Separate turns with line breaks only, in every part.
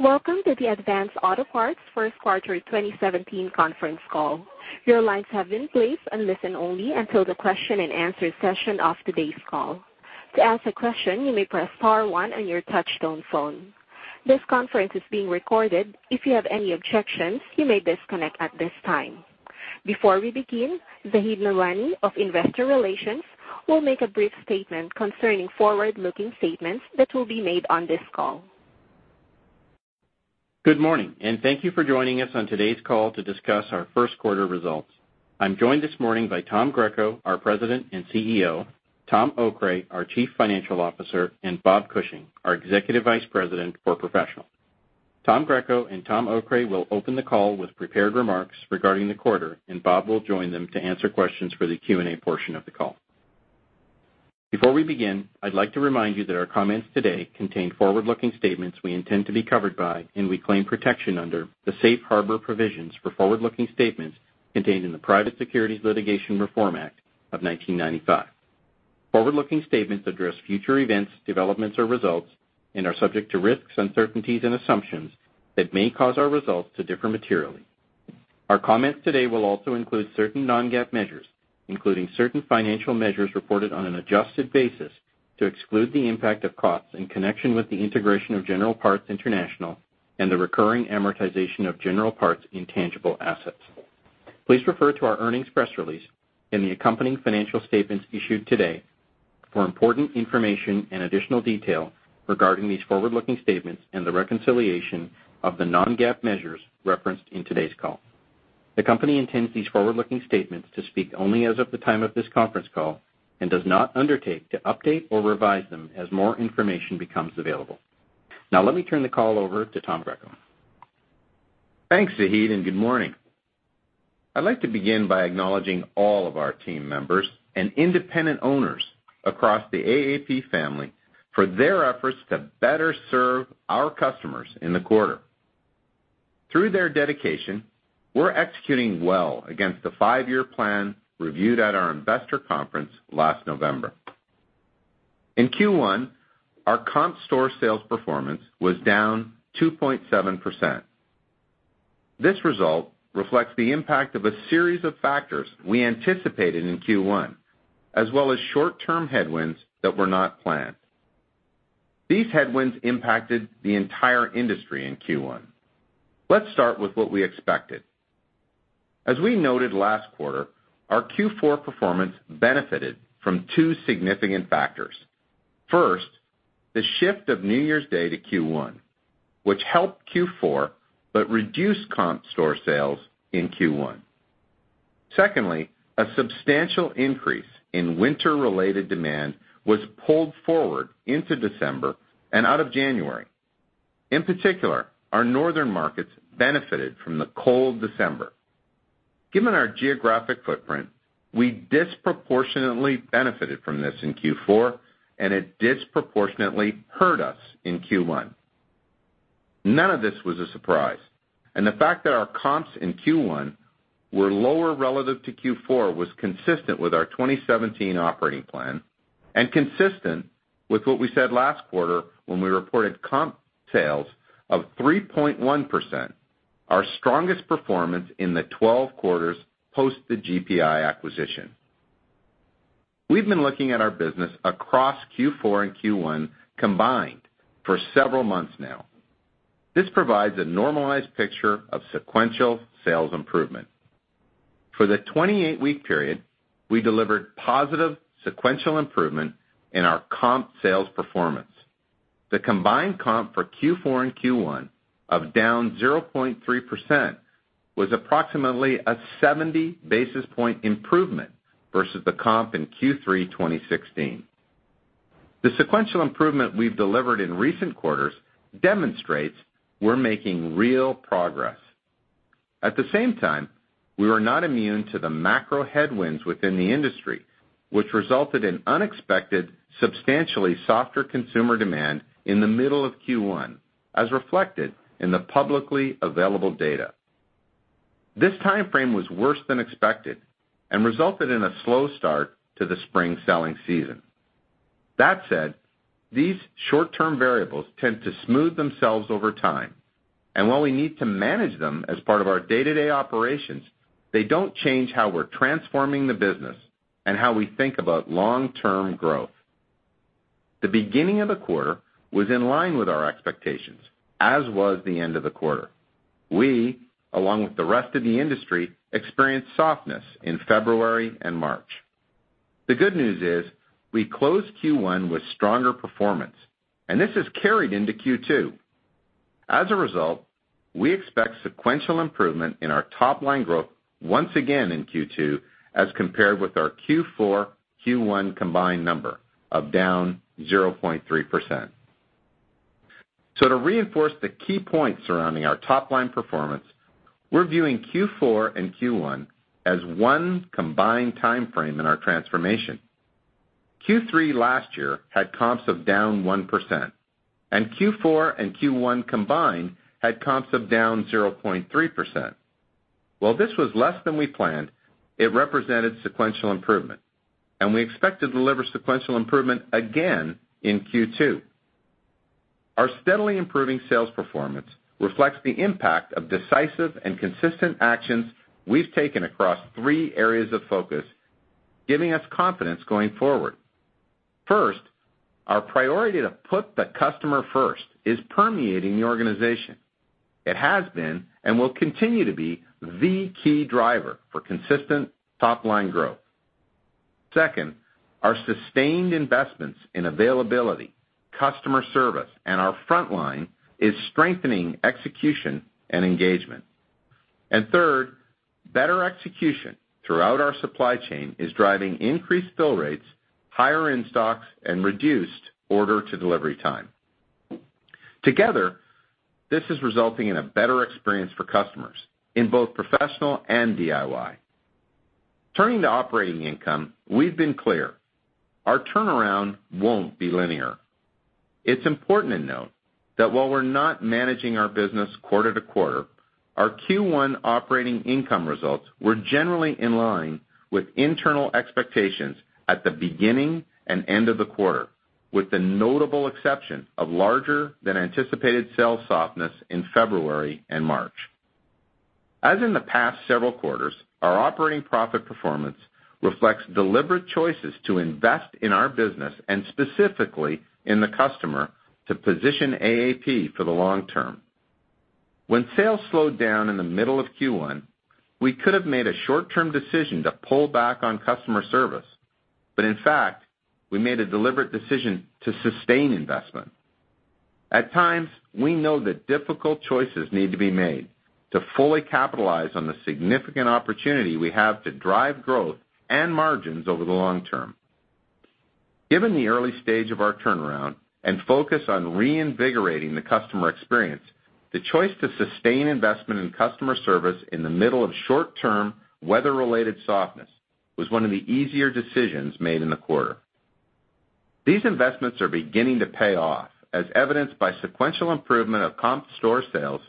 Welcome to the Advance Auto Parts first quarter 2017 conference call. Your lines have been placed on listen only until the question and answer session of today's call. To ask a question, you may press star one on your touch-tone phone. This conference is being recorded. If you have any objections, you may disconnect at this time. Before we begin, Zahid Nawani of Investor Relations will make a brief statement concerning forward-looking statements that will be made on this call.
Good morning. Thank you for joining us on today's call to discuss our first quarter results. I'm joined this morning by Tom Greco, our President and CEO, Tom Okray, our Chief Financial Officer, and Bob Cushing, our Executive Vice President for Professional. Tom Greco and Tom Okray will open the call with prepared remarks regarding the quarter. Bob will join them to answer questions for the Q&A portion of the call. Before we begin, I'd like to remind you that our comments today contain forward-looking statements we intend to be covered by, and we claim protection under, the safe harbor provisions for forward-looking statements contained in the Private Securities Litigation Reform Act of 1995. Forward-looking statements address future events, developments, or results and are subject to risks, uncertainties, and assumptions that may cause our results to differ materially. Our comments today will also include certain non-GAAP measures, including certain financial measures reported on an adjusted basis to exclude the impact of costs in connection with the integration of General Parts International and the recurring amortization of General Parts' intangible assets. Please refer to our earnings press release and the accompanying financial statements issued today for important information and additional detail regarding these forward-looking statements and the reconciliation of the non-GAAP measures referenced in today's call. The company intends these forward-looking statements to speak only as of the time of this conference call and does not undertake to update or revise them as more information becomes available. Now, let me turn the call over to Tom Greco.
Thanks, Zahid. Good morning. I'd like to begin by acknowledging all of our team members and independent owners across the AAP family for their efforts to better serve our customers in the quarter. Through their dedication, we're executing well against the five-year plan reviewed at our investor conference last November. In Q1, our comp store sales performance was down 2.7%. This result reflects the impact of a series of factors we anticipated in Q1, as well as short-term headwinds that were not planned. These headwinds impacted the entire industry in Q1. Let's start with what we expected. As we noted last quarter, our Q4 performance benefited from two significant factors. First, the shift of New Year's Day to Q1, which helped Q4 but reduced comp store sales in Q1. Secondly, a substantial increase in winter-related demand was pulled forward into December and out of January. In particular, our northern markets benefited from the cold December. Given our geographic footprint, we disproportionately benefited from this in Q4, and it disproportionately hurt us in Q1. None of this was a surprise, and the fact that our comps in Q1 were lower relative to Q4 was consistent with our 2017 operating plan and consistent with what we said last quarter when we reported comp sales of 3.1%, our strongest performance in the 12 quarters post the GPI acquisition. We've been looking at our business across Q4 and Q1 combined for several months now. This provides a normalized picture of sequential sales improvement. For the 28-week period, we delivered positive sequential improvement in our comp sales performance. The combined comp for Q4 and Q1 of down 0.3% was approximately a 70-basis-point improvement versus the comp in Q3 2016. The sequential improvement we've delivered in recent quarters demonstrates we're making real progress. At the same time, we were not immune to the macro headwinds within the industry, which resulted in unexpected, substantially softer consumer demand in the middle of Q1, as reflected in the publicly available data. This timeframe was worse than expected and resulted in a slow start to the spring selling season. That said, these short-term variables tend to smooth themselves over time. While we need to manage them as part of our day-to-day operations, they don't change how we're transforming the business and how we think about long-term growth. The beginning of the quarter was in line with our expectations, as was the end of the quarter. We, along with the rest of the industry, experienced softness in February and March. The good news is we closed Q1 with stronger performance, and this has carried into Q2. As a result, we expect sequential improvement in our top-line growth once again in Q2 as compared with our Q4-Q1 combined number of down 0.3%. To reinforce the key points surrounding our top-line performance, we're viewing Q4 and Q1 as one combined timeframe in our transformation. Q3 last year had comps of down 1%, and Q4 and Q1 combined had comps of down 0.3%. While this was less than we planned, it represented sequential improvement, and we expect to deliver sequential improvement again in Q2. Our steadily improving sales performance reflects the impact of decisive and consistent actions we've taken across three areas of focus, giving us confidence going forward. First, our priority to put the customer first is permeating the organization. It has been and will continue to be the key driver for consistent topline growth. Second, our sustained investments in availability, customer service, and our frontline is strengthening execution and engagement. Third, better execution throughout our supply chain is driving increased fill rates, higher in-stocks, and reduced order-to-delivery time. Together, this is resulting in a better experience for customers in both professional and DIY. Turning to operating income. We've been clear, our turnaround won't be linear. It's important to note that while we're not managing our business quarter to quarter, our Q1 operating income results were generally in line with internal expectations at the beginning and end of the quarter, with the notable exception of larger than anticipated sales softness in February and March. As in the past several quarters, our operating profit performance reflects deliberate choices to invest in our business and specifically in the customer to position AAP for the long term. When sales slowed down in the middle of Q1, we could have made a short-term decision to pull back on customer service. In fact, we made a deliberate decision to sustain investment. At times, we know that difficult choices need to be made to fully capitalize on the significant opportunity we have to drive growth and margins over the long term. Given the early stage of our turnaround and focus on reinvigorating the customer experience, the choice to sustain investment in customer service in the middle of short-term, weather-related softness was one of the easier decisions made in the quarter. These investments are beginning to pay off, as evidenced by sequential improvement of comp store sales,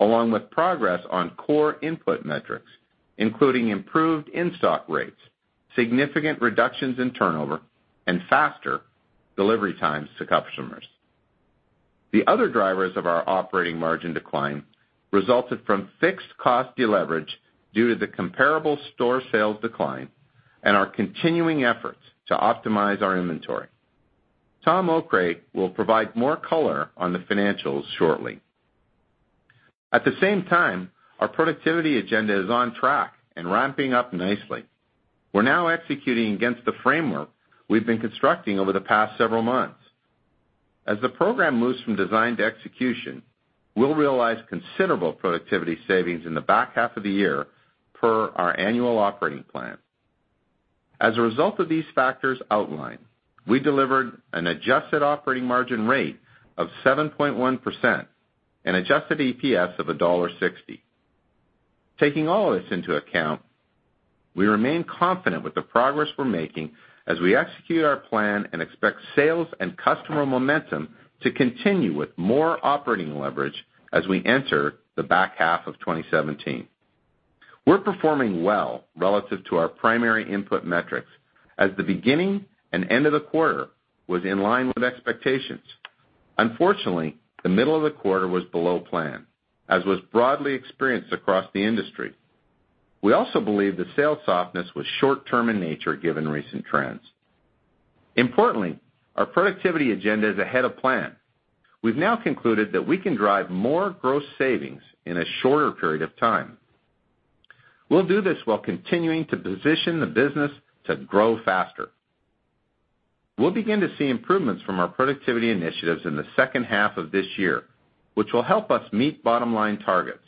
along with progress on core input metrics, including improved in-stock rates, significant reductions in turnover, and faster delivery times to customers. The other drivers of our operating margin decline resulted from fixed cost deleverage due to the comparable store sales decline and our continuing efforts to optimize our inventory. Tom Okray will provide more color on the financials shortly. At the same time, our productivity agenda is on track and ramping up nicely. We're now executing against the framework we've been constructing over the past several months. As the program moves from design to execution, we'll realize considerable productivity savings in the back half of the year per our annual operating plan. As a result of these factors outlined, we delivered an adjusted operating margin rate of 7.1% and adjusted EPS of $1.60. Taking all of this into account, we remain confident with the progress we're making as we execute our plan and expect sales and customer momentum to continue with more operating leverage as we enter the back half of 2017. We're performing well relative to our primary input metrics, as the beginning and end of the quarter was in line with expectations. Unfortunately, the middle of the quarter was below plan, as was broadly experienced across the industry. We also believe the sales softness was short-term in nature, given recent trends. Importantly, our productivity agenda is ahead of plan. We've now concluded that we can drive more gross savings in a shorter period of time. We'll do this while continuing to position the business to grow faster. We'll begin to see improvements from our productivity initiatives in the second half of this year, which will help us meet bottom-line targets.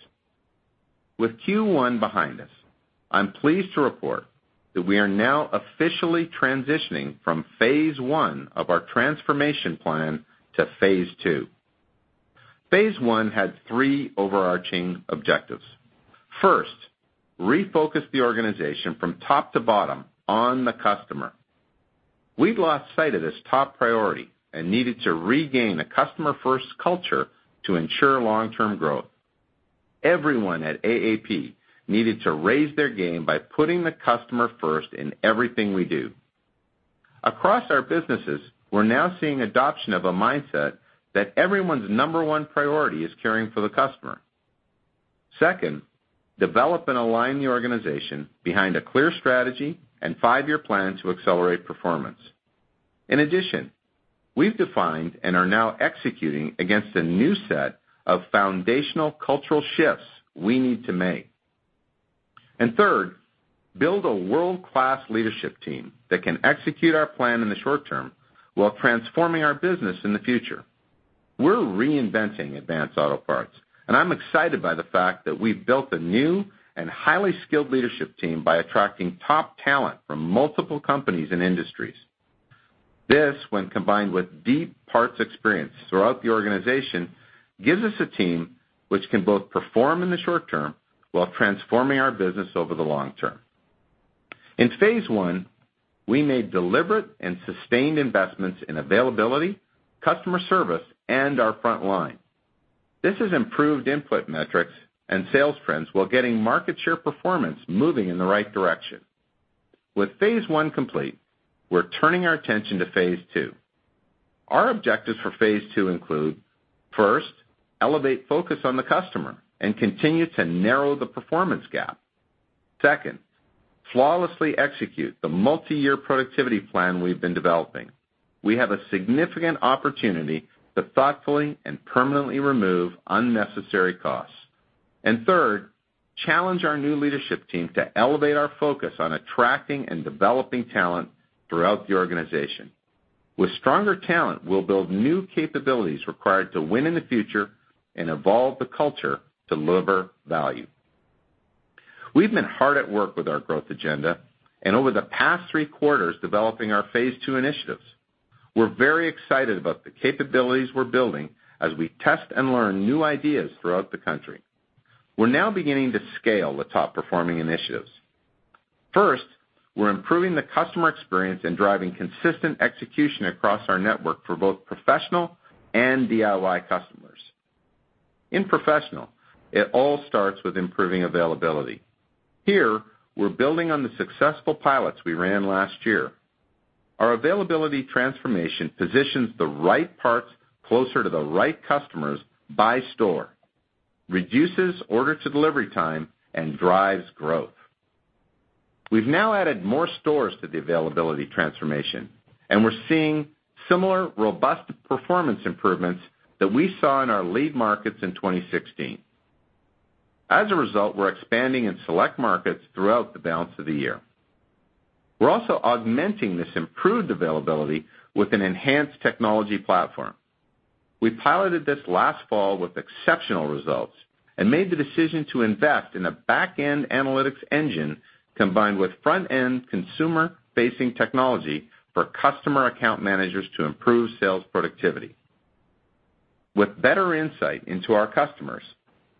With Q1 behind us, I'm pleased to report that we are now officially transitioning from phase 1 of our transformation plan to phase 2. Phase 1 had three overarching objectives. First, refocus the organization from top to bottom on the customer. We'd lost sight of this top priority and needed to regain a customer-first culture to ensure long-term growth. Everyone at AAP needed to raise their game by putting the customer first in everything we do. Across our businesses, we're now seeing adoption of a mindset that everyone's number 1 priority is caring for the customer. Second, develop and align the organization behind a clear strategy and five-year plan to accelerate performance. In addition, we've defined and are now executing against a new set of foundational cultural shifts we need to make. Third, build a world-class leadership team that can execute our plan in the short term while transforming our business in the future. We're reinventing Advance Auto Parts, and I'm excited by the fact that we've built a new and highly skilled leadership team by attracting top talent from multiple companies and industries. This, when combined with deep parts experience throughout the organization, gives us a team which can both perform in the short term while transforming our business over the long term. In phase 1, we made deliberate and sustained investments in availability, customer service, and our frontline. This has improved input metrics and sales trends while getting market share performance moving in the right direction. With phase 1 complete, we're turning our attention to phase 2. Our objectives for phase 2 include, first, elevate focus on the customer and continue to narrow the performance gap. Second, flawlessly execute the multi-year productivity plan we've been developing. We have a significant opportunity to thoughtfully and permanently remove unnecessary costs. Third, challenge our new leadership team to elevate our focus on attracting and developing talent throughout the organization. With stronger talent, we'll build new capabilities required to win in the future and evolve the culture to deliver value. We've been hard at work with our growth agenda, and over the past three quarters, developing our phase 2 initiatives. We're very excited about the capabilities we're building as we test and learn new ideas throughout the country. We're now beginning to scale the top-performing initiatives. First, we're improving the customer experience and driving consistent execution across our network for both professional and DIY customers. In professional, it all starts with improving availability. Here, we're building on the successful pilots we ran last year. Our availability transformation positions the right parts closer to the right customers by store, reduces order to delivery time, and drives growth. We've now added more stores to the availability transformation, and we're seeing similar robust performance improvements that we saw in our lead markets in 2016. As a result, we're expanding in select markets throughout the balance of the year. We're also augmenting this improved availability with an enhanced technology platform. We piloted this last fall with exceptional results and made the decision to invest in a back-end analytics engine combined with front-end consumer-facing technology for customer account managers to improve sales productivity. With better insight into our customers,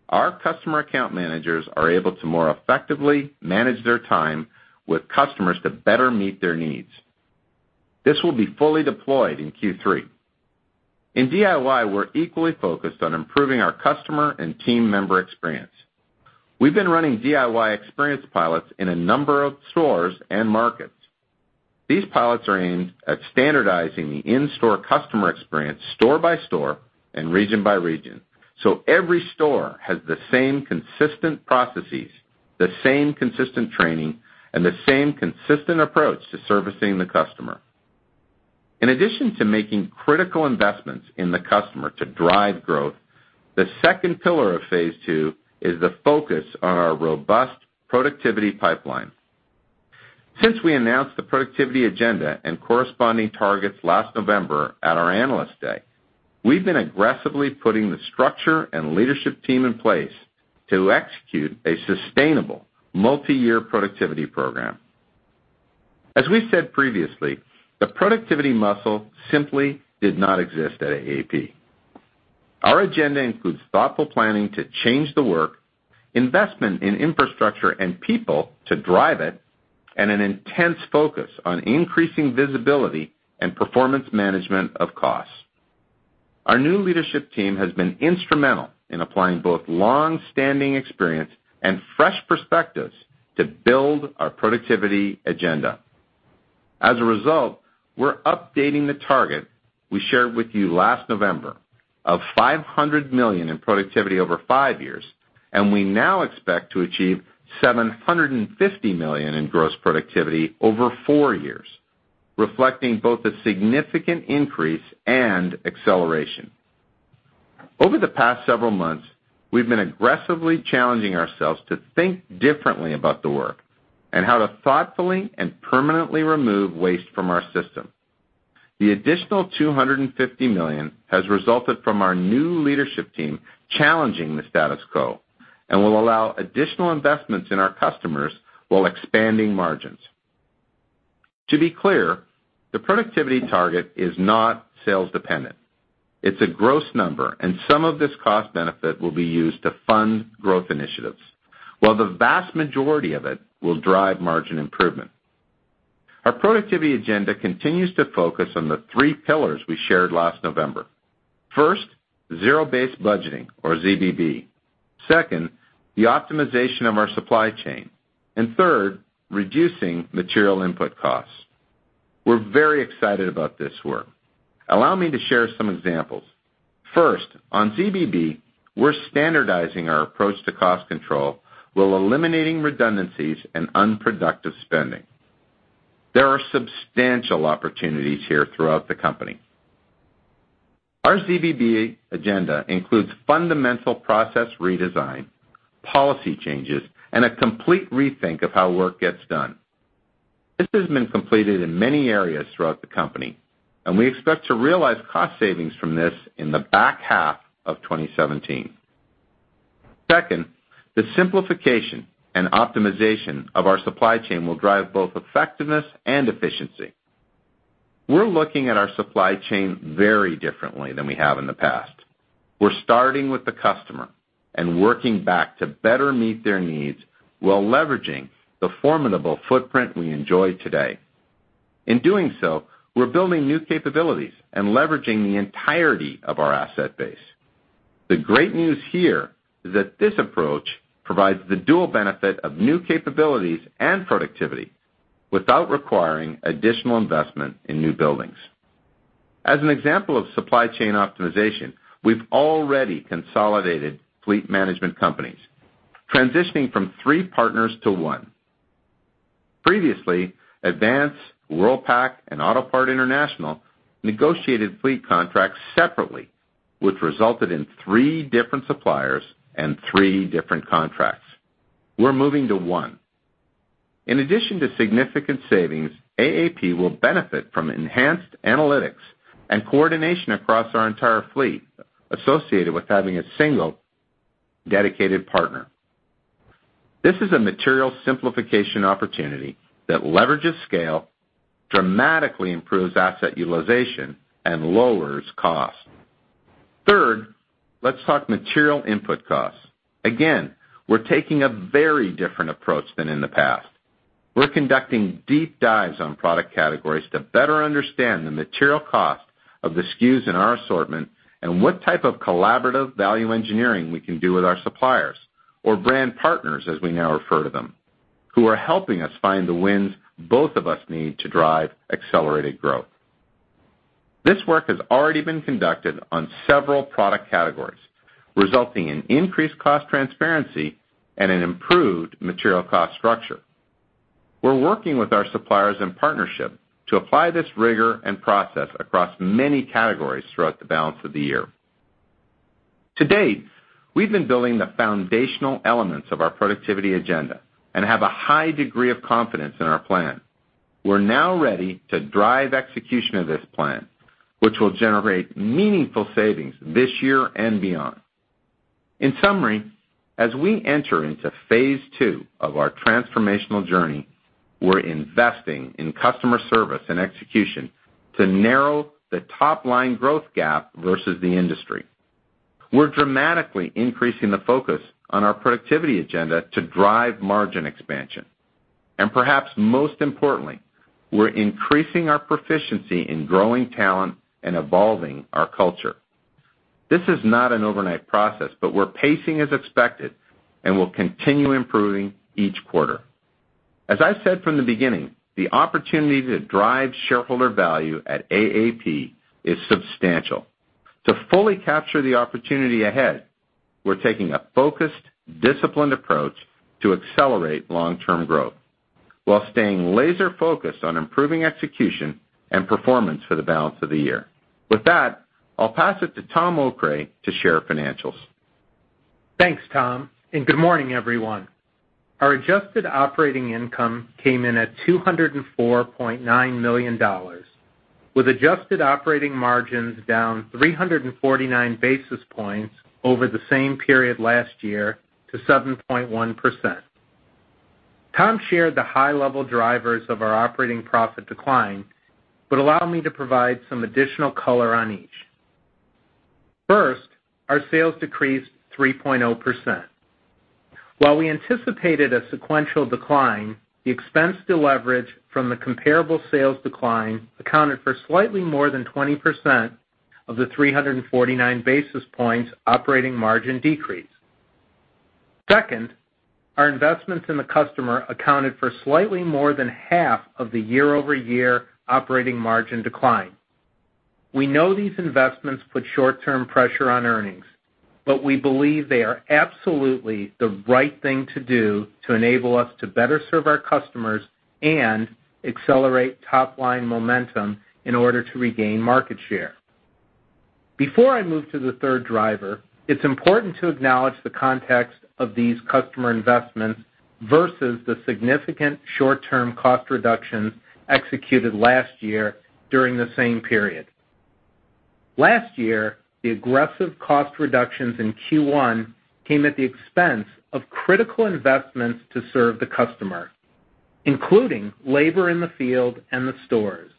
our customer account managers are able to more effectively manage their time with customers to better meet their needs. This will be fully deployed in Q3. In DIY, we're equally focused on improving our customer and team member experience. We've been running DIY experience pilots in a number of stores and markets. These pilots are aimed at standardizing the in-store customer experience store by store and region by region. Every store has the same consistent processes, the same consistent training, and the same consistent approach to servicing the customer. In addition to making critical investments in the customer to drive growth, the second pillar of phase 2 is the focus on our robust productivity pipeline. Since we announced the productivity agenda and corresponding targets last November at our Analyst Day, we've been aggressively putting the structure and leadership team in place to execute a sustainable multi-year productivity program. As we said previously, the productivity muscle simply did not exist at AAP. Our agenda includes thoughtful planning to change the work, investment in infrastructure and people to drive it, and an intense focus on increasing visibility and performance management of costs. Our new leadership team has been instrumental in applying both long-standing experience and fresh perspectives to build our productivity agenda. As a result, we're updating the target we shared with you last November of $500 million in productivity over five years, and we now expect to achieve $750 million in gross productivity over four years, reflecting both a significant increase and acceleration. Over the past several months, we've been aggressively challenging ourselves to think differently about the work and how to thoughtfully and permanently remove waste from our system. The additional $250 million has resulted from our new leadership team challenging the status quo and will allow additional investments in our customers while expanding margins. To be clear, the productivity target is not sales dependent. It's a gross number, and some of this cost benefit will be used to fund growth initiatives, while the vast majority of it will drive margin improvement. Our productivity agenda continues to focus on the three pillars we shared last November. First, zero-based budgeting or ZBB. Second, the optimization of our supply chain. Third, reducing material input costs. We're very excited about this work. Allow me to share some examples. First, on ZBB, we're standardizing our approach to cost control while eliminating redundancies and unproductive spending. There are substantial opportunities here throughout the company. Our ZBB agenda includes fundamental process redesign, policy changes, and a complete rethink of how work gets done. This has been completed in many areas throughout the company, and we expect to realize cost savings from this in the back half of 2017. Second, the simplification and optimization of our supply chain will drive both effectiveness and efficiency. We're looking at our supply chain very differently than we have in the past. We're starting with the customer and working back to better meet their needs while leveraging the formidable footprint we enjoy today. In doing so, we're building new capabilities and leveraging the entirety of our asset base. The great news here is that this approach provides the dual benefit of new capabilities and productivity without requiring additional investment in new buildings. As an example of supply chain optimization, we've already consolidated fleet management companies, transitioning from three partners to one. Previously, Advance, Worldpac, and Autopart International negotiated fleet contracts separately, which resulted in three different suppliers and three different contracts. We're moving to one. In addition to significant savings, AAP will benefit from enhanced analytics and coordination across our entire fleet associated with having a single dedicated partner. This is a material simplification opportunity that leverages scale, dramatically improves asset utilization, and lowers cost. Third, let's talk material input costs. Again, we're taking a very different approach than in the past. We're conducting deep dives on product categories to better understand the material cost of the SKUs in our assortment and what type of collaborative value engineering we can do with our suppliers or brand partners, as we now refer to them, who are helping us find the wins both of us need to drive accelerated growth. This work has already been conducted on several product categories, resulting in increased cost transparency and an improved material cost structure. We're working with our suppliers in partnership to apply this rigor and process across many categories throughout the balance of the year. To date, we've been building the foundational elements of our productivity agenda and have a high degree of confidence in our plan. We're now ready to drive execution of this plan, which will generate meaningful savings this year and beyond. In summary, as we enter into phase 2 of our transformational journey, we're investing in customer service and execution to narrow the top-line growth gap versus the industry. We're dramatically increasing the focus on our productivity agenda to drive margin expansion. Perhaps most importantly, we're increasing our proficiency in growing talent and evolving our culture. This is not an overnight process, but we're pacing as expected and will continue improving each quarter. As I said from the beginning, the opportunity to drive shareholder value at AAP is substantial. To fully capture the opportunity ahead, we're taking a focused, disciplined approach to accelerate long-term growth while staying laser-focused on improving execution and performance for the balance of the year. With that, I'll pass it to Tom Okray to share financials.
Thanks, Tom. Good morning, everyone. Our adjusted operating income came in at $204.9 million, with adjusted operating margins down 349 basis points over the same period last year to 7.1%. Tom shared the high-level drivers of our operating profit decline. Allow me to provide some additional color on each. First, our sales decreased 3.0%. While we anticipated a sequential decline, the expense leverage from the comparable sales decline accounted for slightly more than 20% of the 349 basis points operating margin decrease. Second, our investments in the customer accounted for slightly more than half of the year-over-year operating margin decline. We know these investments put short-term pressure on earnings. We believe they are absolutely the right thing to do to enable us to better serve our customers and accelerate top-line momentum in order to regain market share. Before I move to the third driver, it's important to acknowledge the context of these customer investments versus the significant short-term cost reductions executed last year during the same period. Last year, the aggressive cost reductions in Q1 came at the expense of critical investments to serve the customer, including labor in the field and the stores.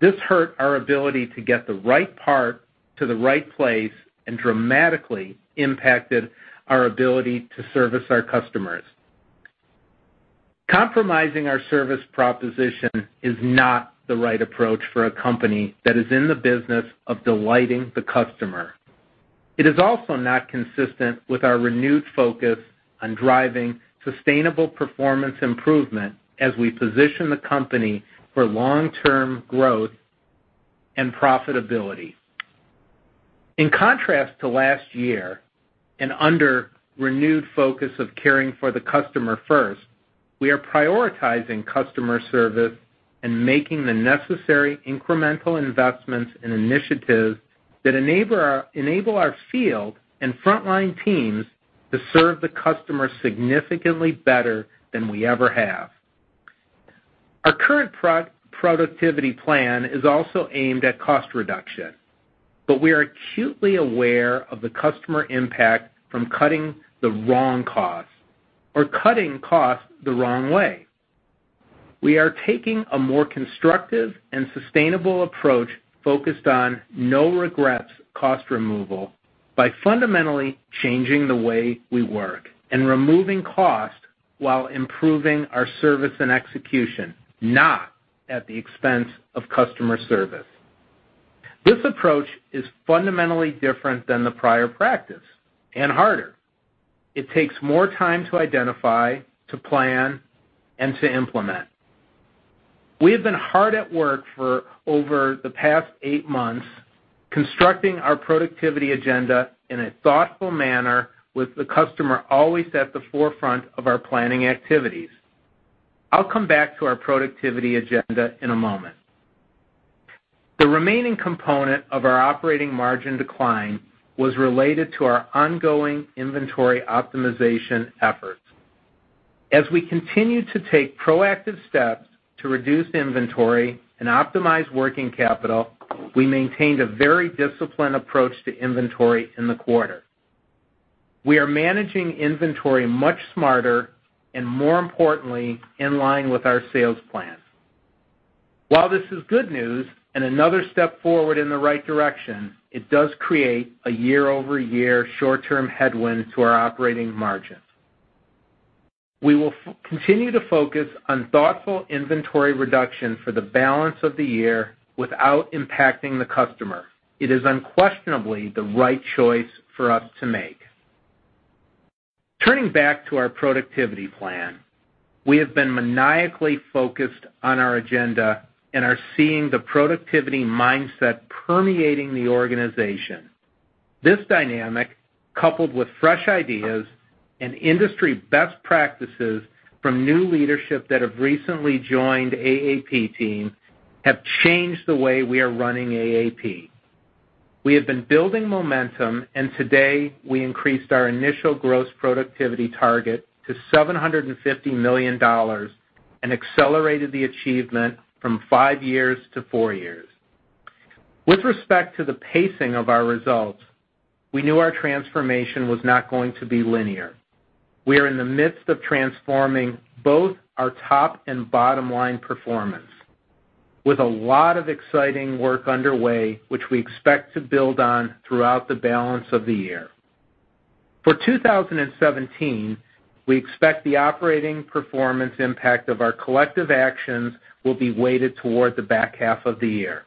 This hurt our ability to get the right part to the right place and dramatically impacted our ability to service our customers. Compromising our service proposition is not the right approach for a company that is in the business of delighting the customer. It is also not consistent with our renewed focus on driving sustainable performance improvement as we position the company for long-term growth and profitability. In contrast to last year, and under renewed focus of caring for the customer first, we are prioritizing customer service and making the necessary incremental investments and initiatives that enable our field and frontline teams to serve the customer significantly better than we ever have. Our current productivity plan is also aimed at cost reduction. We are acutely aware of the customer impact from cutting the wrong costs or cutting costs the wrong way. We are taking a more constructive and sustainable approach focused on no regrets cost removal by fundamentally changing the way we work and removing cost while improving our service and execution, not at the expense of customer service. This approach is fundamentally different than the prior practice, and harder. It takes more time to identify, to plan, and to implement. We have been hard at work for over the past eight months constructing our productivity agenda in a thoughtful manner with the customer always at the forefront of our planning activities. I'll come back to our productivity agenda in a moment. The remaining component of our operating margin decline was related to our ongoing inventory optimization efforts. As we continue to take proactive steps to reduce inventory and optimize working capital, we maintained a very disciplined approach to inventory in the quarter. We are managing inventory much smarter, and more importantly, in line with our sales plans. While this is good news and another step forward in the right direction, it does create a year-over-year short-term headwind to our operating margins. We will continue to focus on thoughtful inventory reduction for the balance of the year without impacting the customer. It is unquestionably the right choice for us to make. Turning back to our productivity plan, we have been maniacally focused on our agenda and are seeing the productivity mindset permeating the organization. This dynamic, coupled with fresh ideas and industry best practices from new leadership that have recently joined AAP team, have changed the way we are running AAP. We have been building momentum, and today we increased our initial gross productivity target to $750 million and accelerated the achievement from five years to four years. With respect to the pacing of our results, we knew our transformation was not going to be linear. We are in the midst of transforming both our top and bottom line performance with a lot of exciting work underway, which we expect to build on throughout the balance of the year. For 2017, we expect the operating performance impact of our collective actions will be weighted toward the back half of the year.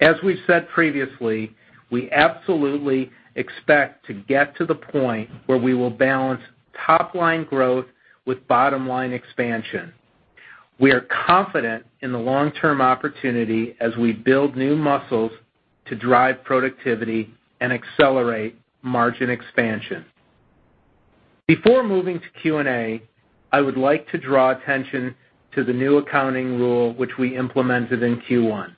As we've said previously, we absolutely expect to get to the point where we will balance top-line growth with bottom-line expansion. We are confident in the long-term opportunity as we build new muscles to drive productivity and accelerate margin expansion. Before moving to Q&A, I would like to draw attention to the new accounting rule which we implemented in Q1.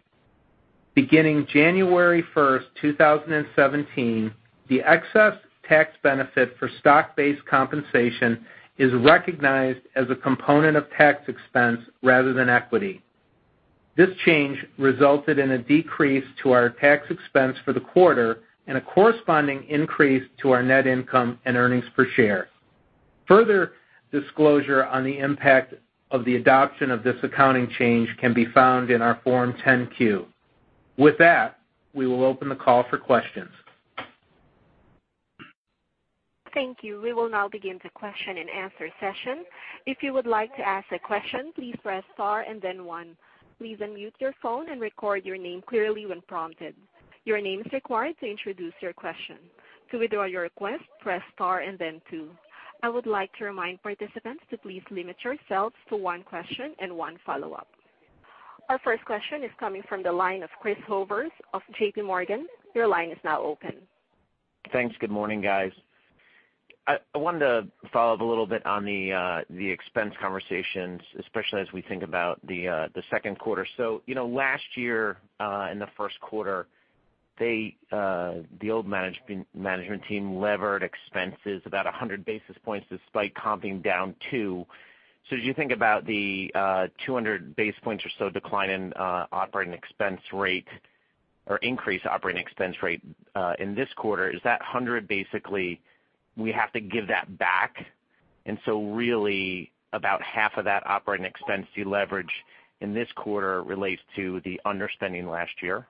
Beginning January 1st, 2017, the excess tax benefit for stock-based compensation is recognized as a component of tax expense rather than equity. This change resulted in a decrease to our tax expense for the quarter and a corresponding increase to our net income and earnings per share. Further disclosure on the impact of the adoption of this accounting change can be found in our Form 10-Q. With that, we will open the call for questions.
Thank you. We will now begin the question and answer session. If you would like to ask a question, please press star and then one. Please unmute your phone and record your name clearly when prompted. Your name is required to introduce your question. To withdraw your request, press star and then two. I would like to remind participants to please limit yourselves to one question and one follow-up. Our first question is coming from the line of Chris Horvers of J.P. Morgan. Your line is now open.
Thanks. Good morning, guys. I wanted to follow up a little bit on the expense conversations, especially as we think about the second quarter. Last year in the first quarter, the old management team levered expenses about 100 basis points despite comping down two. As you think about the 200 basis points or so decline in operating expense rate or increase operating expense rate in this quarter, is that 100 basically we have to give that back, and really about half of that operating expense deleverage in this quarter relates to the underspending last year?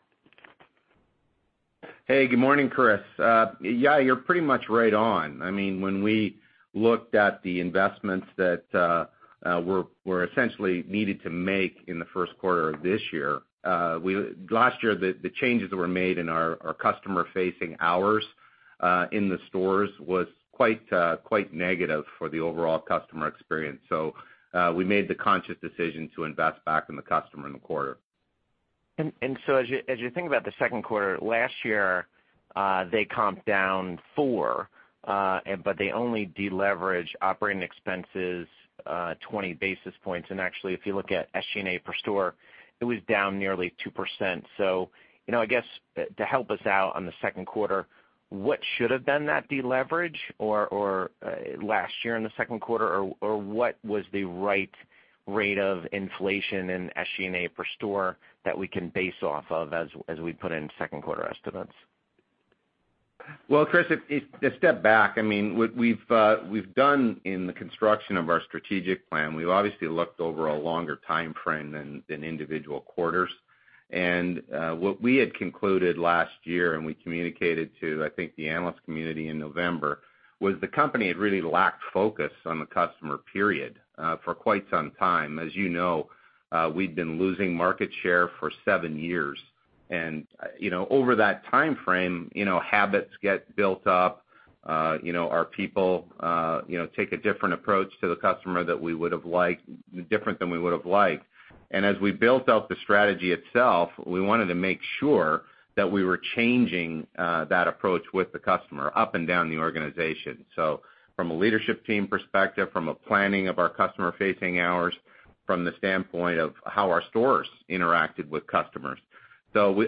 Hey, good morning, Chris. Yeah, you're pretty much right on. When we looked at the investments that were essentially needed to make in the first quarter of this year, last year, the changes that were made in our customer-facing hours in the stores was quite negative for the overall customer experience. We made the conscious decision to invest back in the customer in the quarter.
As you think about the second quarter, last year, they comped down four, but they only deleveraged operating expenses 20 basis points. Actually, if you look at SG&A per store, it was down nearly 2%. I guess to help us out on the second quarter, what should have been that deleverage last year in the second quarter, or what was the right rate of inflation in SG&A per store that we can base off of as we put in second quarter estimates?
Well, Chris, to step back, what we've done in the construction of our strategic plan, we've obviously looked over a longer timeframe than individual quarters. What we had concluded last year, and we communicated to, I think, the analyst community in November, was the company had really lacked focus on the customer, period, for quite some time. As you know, we'd been losing market share for seven years. Over that timeframe, habits get built up. Our people take a different approach to the customer than we would've liked. As we built out the strategy itself, we wanted to make sure that we were changing that approach with the customer up and down the organization. From a leadership team perspective, from a planning of our customer-facing hours, from the standpoint of how our stores interacted with customers.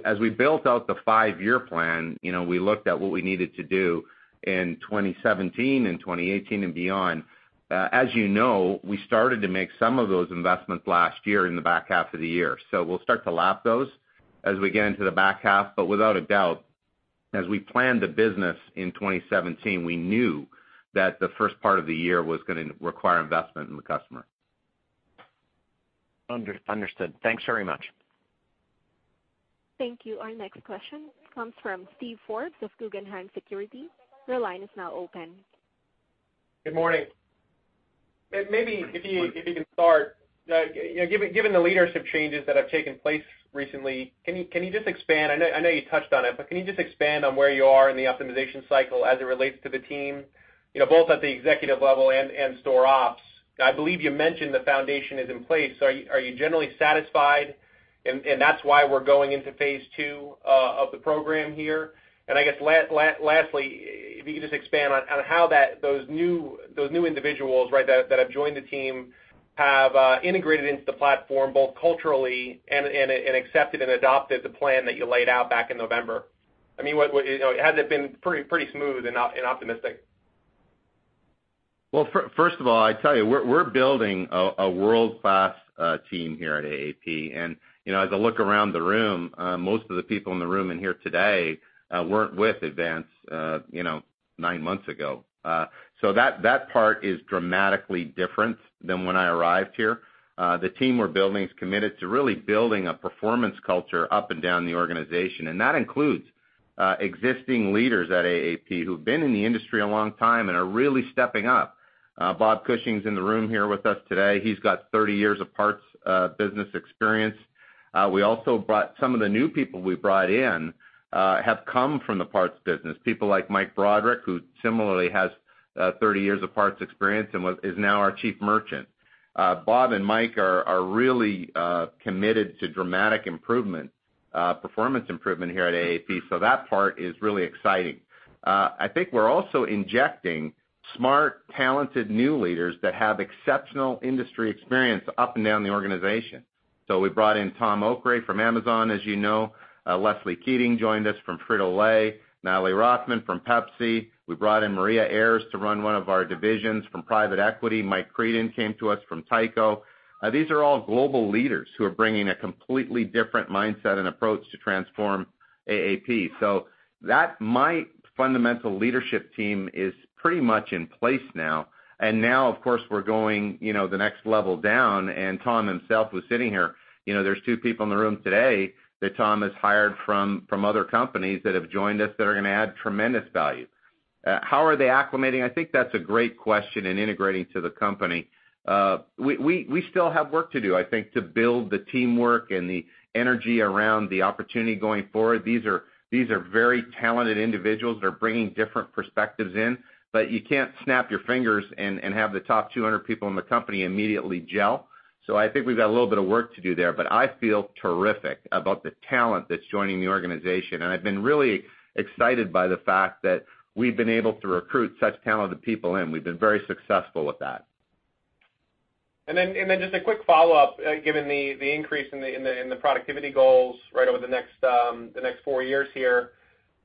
As we built out the 5-year plan, we looked at what we needed to do in 2017 and 2018 and beyond. As you know, we started to make some of those investments last year in the back half of the year. We'll start to lap those as we get into the back half. Without a doubt, as we planned the business in 2017, we knew that the first part of the year was going to require investment in the customer.
Understood. Thanks very much.
Thank you. Our next question comes from Steven Forbes of Guggenheim Securities. Your line is now open.
Good morning. Maybe if you can start, given the leadership changes that have taken place recently, I know you touched on it, but can you just expand on where you are in the optimization cycle as it relates to the team, both at the executive level and store ops? I believe you mentioned the foundation is in place. Are you generally satisfied, and that's why we're going into phase 2 of the program here? Lastly, if you could just expand on how those new individuals that have joined the team have integrated into the platform, both culturally and accepted and adopted the plan that you laid out back in November. Has it been pretty smooth and optimistic?
Well, first of all, I tell you, we're building a world-class team here at AAP. As I look around the room, most of the people in the room in here today weren't with Advance 9 months ago. That part is dramatically different than when I arrived here. The team we're building is committed to really building a performance culture up and down the organization. That includes existing leaders at AAP who've been in the industry a long time and are really stepping up. Bob Cushing's in the room here with us today. He's got 30 years of parts business experience. Some of the new people we brought in have come from the parts business. People like Mike Broderick, who similarly has 30 years of parts experience and is now our Chief Merchant. Bob and Mike are really committed to dramatic performance improvement here at AAP, that part is really exciting. I think we're also injecting smart, talented new leaders that have exceptional industry experience up and down the organization. We brought in Tom Okray from Amazon, as you know. Leslie Keating joined us from Frito-Lay, Natalie Rothman from Pepsi. We brought in Maria Ayres to run one of our divisions from private equity. Mike Creedon came to us from Tyco International. These are all global leaders who are bringing a completely different mindset and approach to transform AAP. My fundamental leadership team is pretty much in place now. Now, of course, we're going the next level down, and Tom himself was sitting here. There's two people in the room today that Tom has hired from other companies that have joined us that are going to add tremendous value. How are they acclimating? I think that's a great question in integrating to the company. We still have work to do, I think, to build the teamwork and the energy around the opportunity going forward. These are very talented individuals. They're bringing different perspectives in, you can't snap your fingers and have the top 200 people in the company immediately gel. I think we've got a little bit of work to do there, I feel terrific about the talent that's joining the organization, and I've been really excited by the fact that we've been able to recruit such talented people in. We've been very successful with that.
Just a quick follow-up, given the increase in the productivity goals right over the next four years,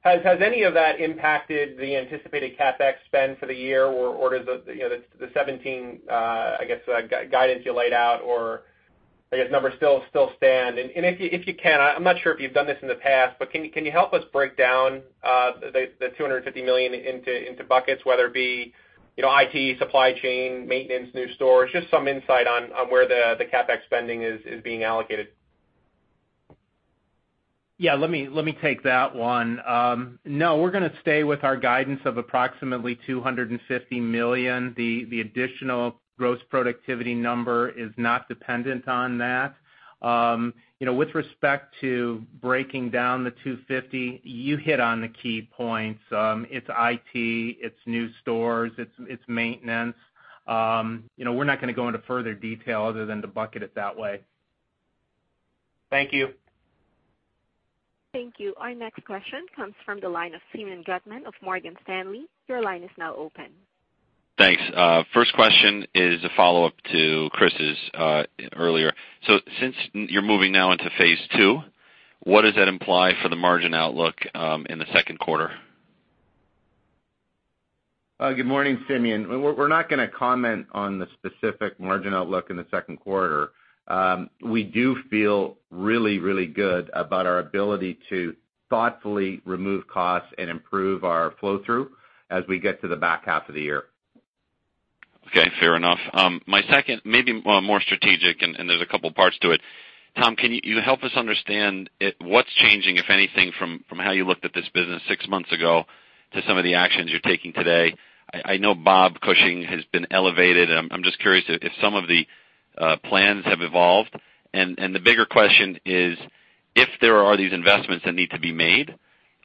has any of that impacted the anticipated CapEx spend for the year or the 2017, I guess, guidance you laid out, or I guess numbers still stand? If you can, I'm not sure if you've done this in the past, but can you help us break down the $250 million into buckets, whether it be IT, supply chain, maintenance, new stores, just some insight on where the CapEx spending is being allocated?
Yeah, let me take that one. No, we're going to stay with our guidance of approximately $250 million. The additional gross productivity number is not dependent on that. With respect to breaking down the $250, you hit on the key points. It's IT, it's new stores, it's maintenance. We're not going to go into further detail other than to bucket it that way.
Thank you.
Thank you. Our next question comes from the line of Simeon Gutman of Morgan Stanley. Your line is now open.
Thanks. First question is a follow-up to Chris's earlier. Since you're moving now into phase two, what does that imply for the margin outlook in the second quarter?
Good morning, Simeon. We're not going to comment on the specific margin outlook in the second quarter. We do feel really, really good about our ability to thoughtfully remove costs and improve our flow-through as we get to the back half of the year.
Okay, fair enough. My second, maybe more strategic, there's a couple parts to it. Tom, can you help us understand what's changing, if anything, from how you looked at this business six months ago to some of the actions you're taking today? I know Bob Cushing has been elevated. I'm just curious if some of the plans have evolved. The bigger question is, if there are these investments that need to be made,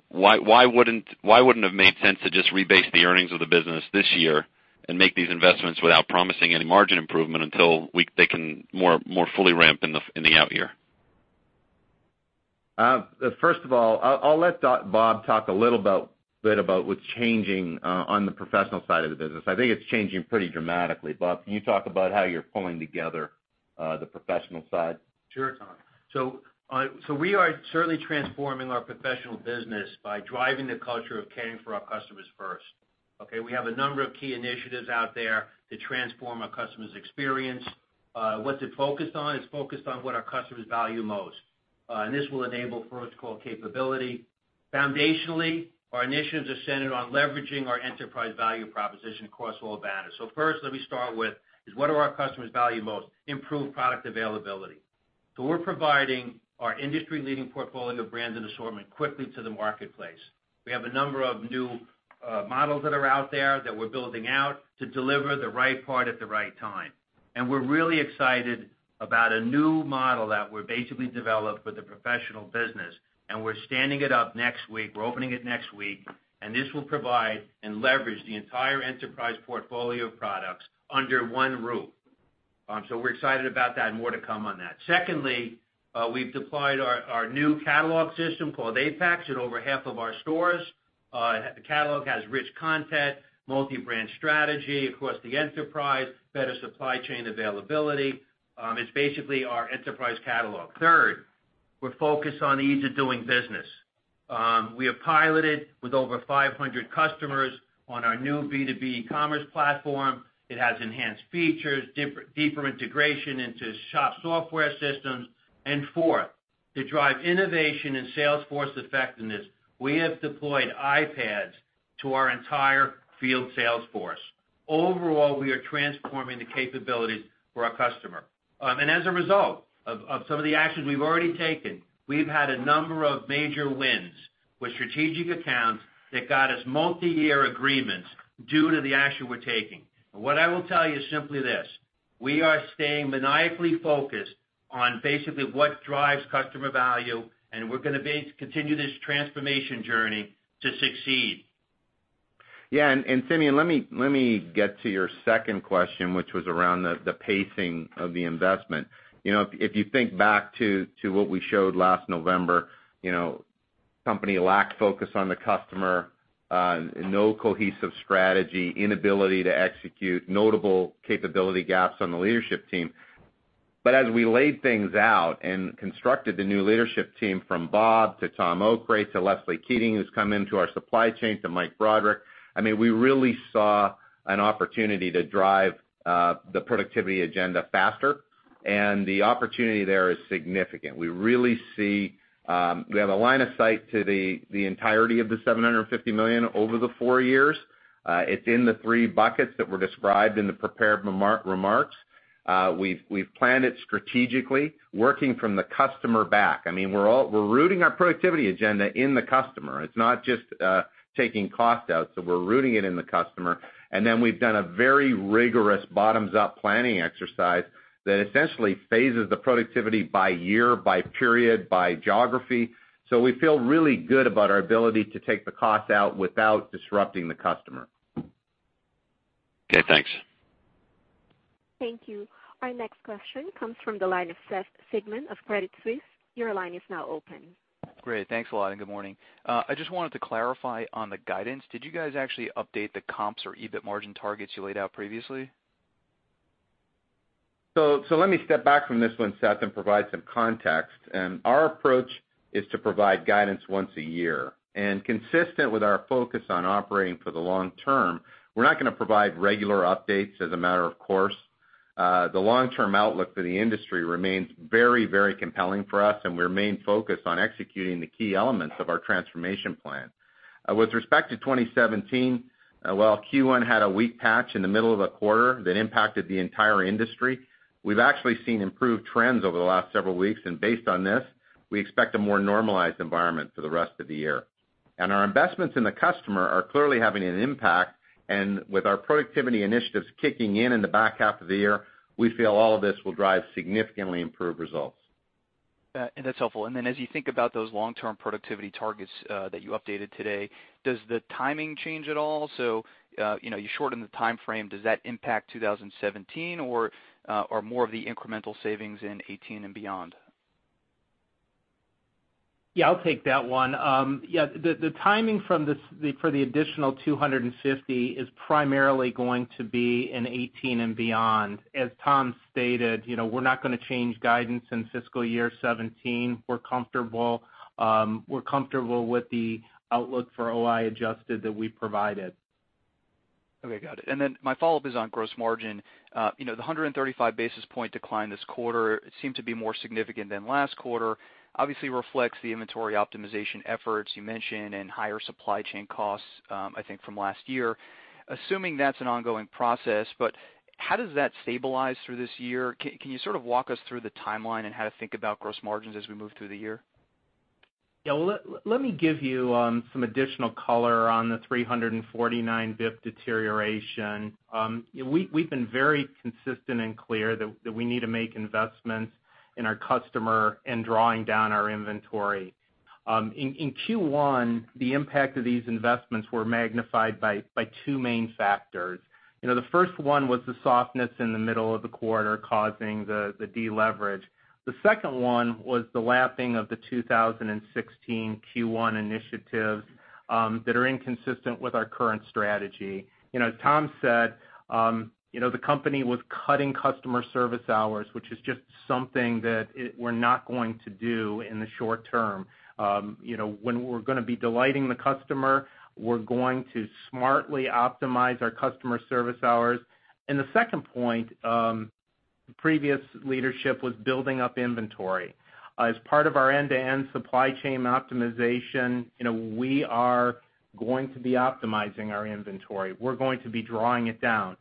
why wouldn't it have made sense to just rebase the earnings of the business this year and make these investments without promising any margin improvement until they can more fully ramp in the out year?
First of all, I'll let Bob talk a little bit about what's changing on the professional side of the business. I think it's changing pretty dramatically. Bob, can you talk about how you're pulling together the professional side?
Sure, Tom. We are certainly transforming our professional business by driving the culture of caring for our customers first. We have a number of key initiatives out there to transform our customers' experience. What's it focused on? It's focused on what our customers value most. This will enable for what's called capability. Foundationally, our initiatives are centered on leveraging our enterprise value proposition across all banners. First, let me start with, what do our customers value most? Improved product availability. We're providing our industry-leading portfolio of brands and assortment quickly to the marketplace. We have a number of new models that are out there that we're building out to deliver the right part at the right time. We're really excited about a new model that we basically developed for the professional business, and we're standing it up next week. We're opening it next week, this will provide and leverage the entire enterprise portfolio of products under one roof. We're excited about that, and more to come on that. Secondly, we've deployed our new catalog system called APEX at over half of our stores. The catalog has rich content, multi-brand strategy across the enterprise, better supply chain availability. It's basically our enterprise catalog. Third, we're focused on ease of doing business. We have piloted with over 500 customers on our new B2B e-commerce platform. It has enhanced features, deeper integration into shop software systems. Fourth, to drive innovation and sales force effectiveness, we have deployed iPads to our entire field sales force. Overall, we are transforming the capabilities for our customer. As a result of some of the actions we've already taken, we've had a number of major wins with strategic accounts that got us multi-year agreements due to the action we're taking. What I will tell you is simply this: We are staying maniacally focused on basically what drives customer value, we're going to continue this transformation journey to succeed.
Simeon, let me get to your second question, which was around the pacing of the investment. If you think back to what we showed last November, company lacked focus on the customer, no cohesive strategy, inability to execute, notable capability gaps on the leadership team. As we laid things out and constructed the new leadership team from Bob to Tom Okray to Leslie Keating, who's come into our supply chain, to Mike Broderick, we really saw an opportunity to drive the productivity agenda faster, the opportunity there is significant. We have a line of sight to the entirety of the $750 million over the four years. It's in the three buckets that were described in the prepared remarks. We've planned it strategically, working from the customer back. We're rooting our productivity agenda in the customer. It's not just taking cost out. We're rooting it in the customer. We've done a very rigorous bottoms-up planning exercise that essentially phases the productivity by year, by period, by geography. We feel really good about our ability to take the cost out without disrupting the customer.
Okay, thanks.
Thank you. Our next question comes from the line of Seth Sigman of Credit Suisse. Your line is now open.
Great. Thanks a lot, good morning. I just wanted to clarify on the guidance. Did you guys actually update the comps or EBIT margin targets you laid out previously?
Let me step back from this one, Seth, and provide some context. Our approach is to provide guidance once a year. Consistent with our focus on operating for the long term, we're not going to provide regular updates as a matter of course. The long-term outlook for the industry remains very compelling for us, and we remain focused on executing the key elements of our transformation plan. With respect to 2017, while Q1 had a weak patch in the middle of the quarter that impacted the entire industry, we've actually seen improved trends over the last several weeks. Based on this, we expect a more normalized environment for the rest of the year. Our investments in the customer are clearly having an impact, and with our productivity initiatives kicking in in the back half of the year, we feel all of this will drive significantly improved results.
That's helpful. As you think about those long-term productivity targets that you updated today, does the timing change at all? You shorten the time frame. Does that impact 2017 or more of the incremental savings in 2018 and beyond?
Yeah, I'll take that one. The timing for the additional 250 is primarily going to be in 2018 and beyond. As Tom stated, we're not going to change guidance in fiscal year 2017. We're comfortable with the outlook for OI adjusted that we provided.
Okay, got it. My follow-up is on gross margin. The 135 basis point decline this quarter seemed to be more significant than last quarter. Obviously reflects the inventory optimization efforts you mentioned and higher supply chain costs, I think from last year. Assuming that's an ongoing process, but how does that stabilize through this year? Can you sort of walk us through the timeline and how to think about gross margins as we move through the year?
Yeah. Well, let me give you some additional color on the 349 basis points deterioration. We've been very consistent and clear that we need to make investments in our customer and drawing down our inventory. In Q1, the impact of these investments were magnified by two main factors. The first one was the softness in the middle of the quarter causing the deleverage. The second one was the lapping of the 2016 Q1 initiatives that are inconsistent with our current strategy. As Tom said, the company was cutting customer service hours, which is just something that we're not going to do in the short term. When we're going to be delighting the customer, we're going to smartly optimize our customer service hours. The second point, previous leadership was building up inventory. As part of our end-to-end supply chain optimization, we are going to be optimizing our inventory. We're going to be drawing it down.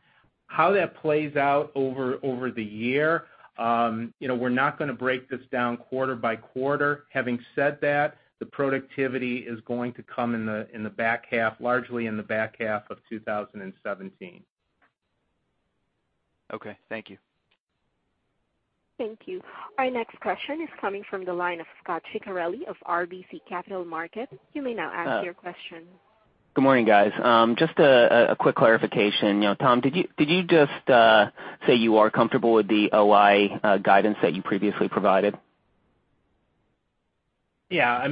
How that plays out over the year, we're not going to break this down quarter by quarter. Having said that, the productivity is going to come largely in the back half of 2017.
Okay, thank you.
Thank you. Our next question is coming from the line of Scot Ciccarelli of RBC Capital Markets. You may now ask your question.
Good morning, guys. Just a quick clarification. Tom, did you just say you are comfortable with the OI guidance that you previously provided?
Yeah.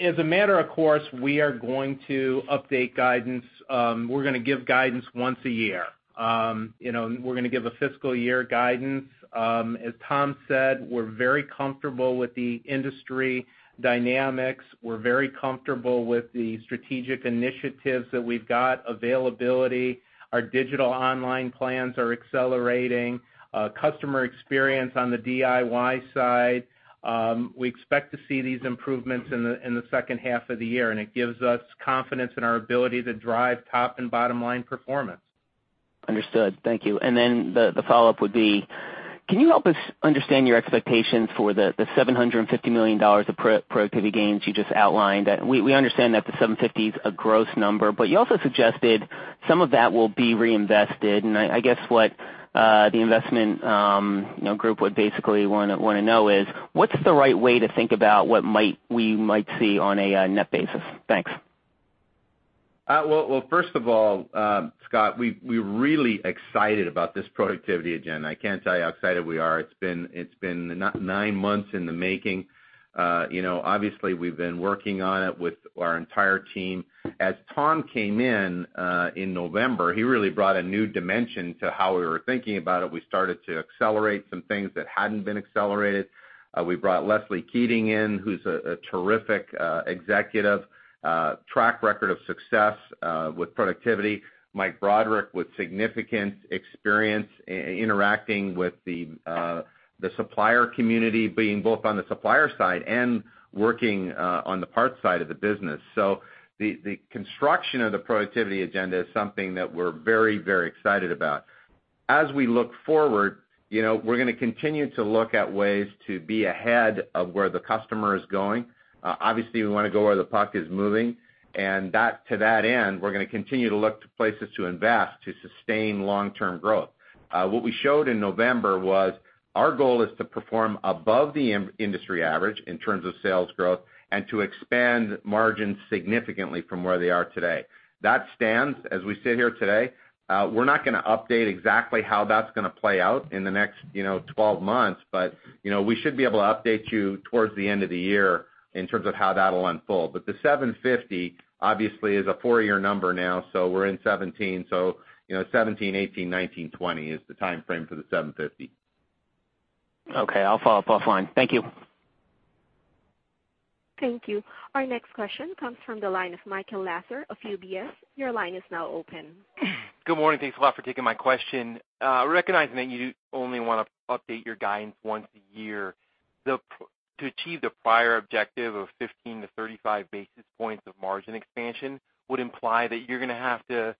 As a matter of course, we are going to update guidance. We're going to give guidance once a year. We're going to give a fiscal year guidance. As Tom said, we're very comfortable with the industry dynamics. We're very comfortable with the strategic initiatives that we've got, availability, our digital online plans are accelerating, customer experience on the DIY side. We expect to see these improvements in the second half of the year, and it gives us confidence in our ability to drive top and bottom-line performance.
Understood. Thank you. Then the follow-up would be: Can you help us understand your expectations for the $750 million of productivity gains you just outlined? We understand that the 750 is a gross number, but you also suggested some of that will be reinvested. I guess what the investment group would basically want to know is, what's the right way to think about what we might see on a net basis? Thanks.
Well, first of all, Scot, we're really excited about this productivity agenda. I can't tell you how excited we are. It's been nine months in the making. Obviously, we've been working on it with our entire team. As Tom came in in November, he really brought a new dimension to how we were thinking about it. We started to accelerate some things that hadn't been accelerated. We brought Leslie Keating in, who's a terrific executive, track record of success with productivity. Mike Broderick with significant experience interacting with the supplier community, being both on the supplier side and working on the parts side of the business. The construction of the productivity agenda is something that we're very excited about. As we look forward, we're going to continue to look at ways to be ahead of where the customer is going. Obviously, we want to go where the puck is moving. To that end, we're going to continue to look to places to invest to sustain long-term growth. What we showed in November was our goal is to perform above the industry average in terms of sales growth and to expand margins significantly from where they are today. That stands as we sit here today. We're not going to update exactly how that's going to play out in the next 12 months. We should be able to update you towards the end of the year in terms of how that'll unfold. The 750 obviously is a four-year number now, so we're in 2017. 2017, 2018, 2019, 2020 is the timeframe for the 750.
Okay. I'll follow up offline. Thank you.
Thank you. Our next question comes from the line of Michael Lasser of UBS. Your line is now open.
Good morning. Thanks a lot for taking my question. Recognizing that you only want to update your guidance once a year, to achieve the prior objective of 15-35 basis points of margin expansion would imply that you're going to have to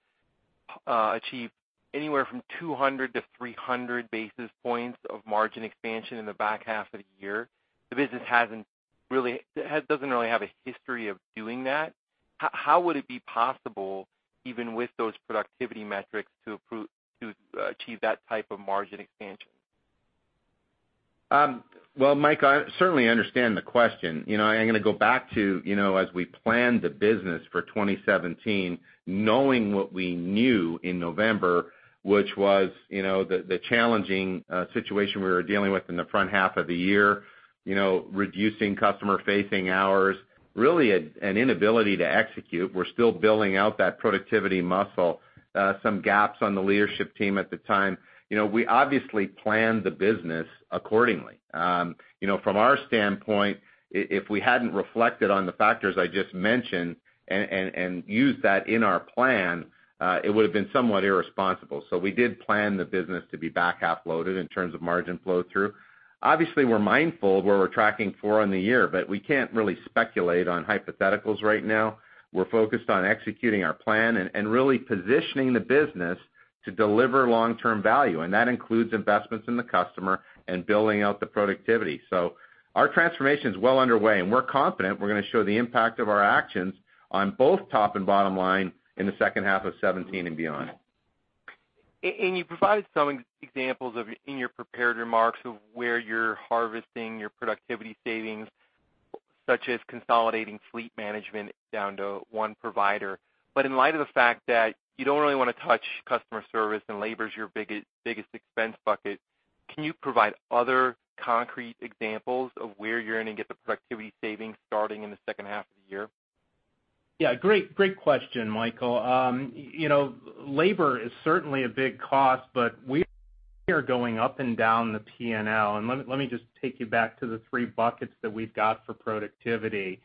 achieve anywhere from 200-300 basis points of margin expansion in the back half of the year. The business doesn't really have a history of doing that. How would it be possible, even with those productivity metrics, to achieve that type of margin expansion?
Well, Mike, I certainly understand the question. I'm going to go back to, as we planned the business for 2017, knowing what we knew in November, which was the challenging situation we were dealing with in the front half of the year. Reducing customer-facing hours, really an inability to execute. We're still building out that productivity muscle. Some gaps on the leadership team at the time. We obviously planned the business accordingly. From our standpoint, if we hadn't reflected on the factors I just mentioned and used that in our plan, it would have been somewhat irresponsible. We did plan the business to be back-half-loaded in terms of margin flow-through. Obviously, we're mindful of where we're tracking for in the year, we can't really speculate on hypotheticals right now. We're focused on executing our plan and really positioning the business to deliver long-term value, that includes investments in the customer and building out the productivity. Our transformation is well underway, and we're confident we're going to show the impact of our actions on both top and bottom line in the second half of 2017 and beyond.
You provided some examples in your prepared remarks of where you're harvesting your productivity savings, such as consolidating fleet management down to one provider. In light of the fact that you don't really want to touch customer service and labor is your biggest expense bucket, can you provide other concrete examples of where you're going to get the productivity savings starting in the second half of the year?
Yeah, great question, Michael. Labor is certainly a big cost, but we are going up and down the P&L. Let me just take you back to the three buckets that we've got for productivity.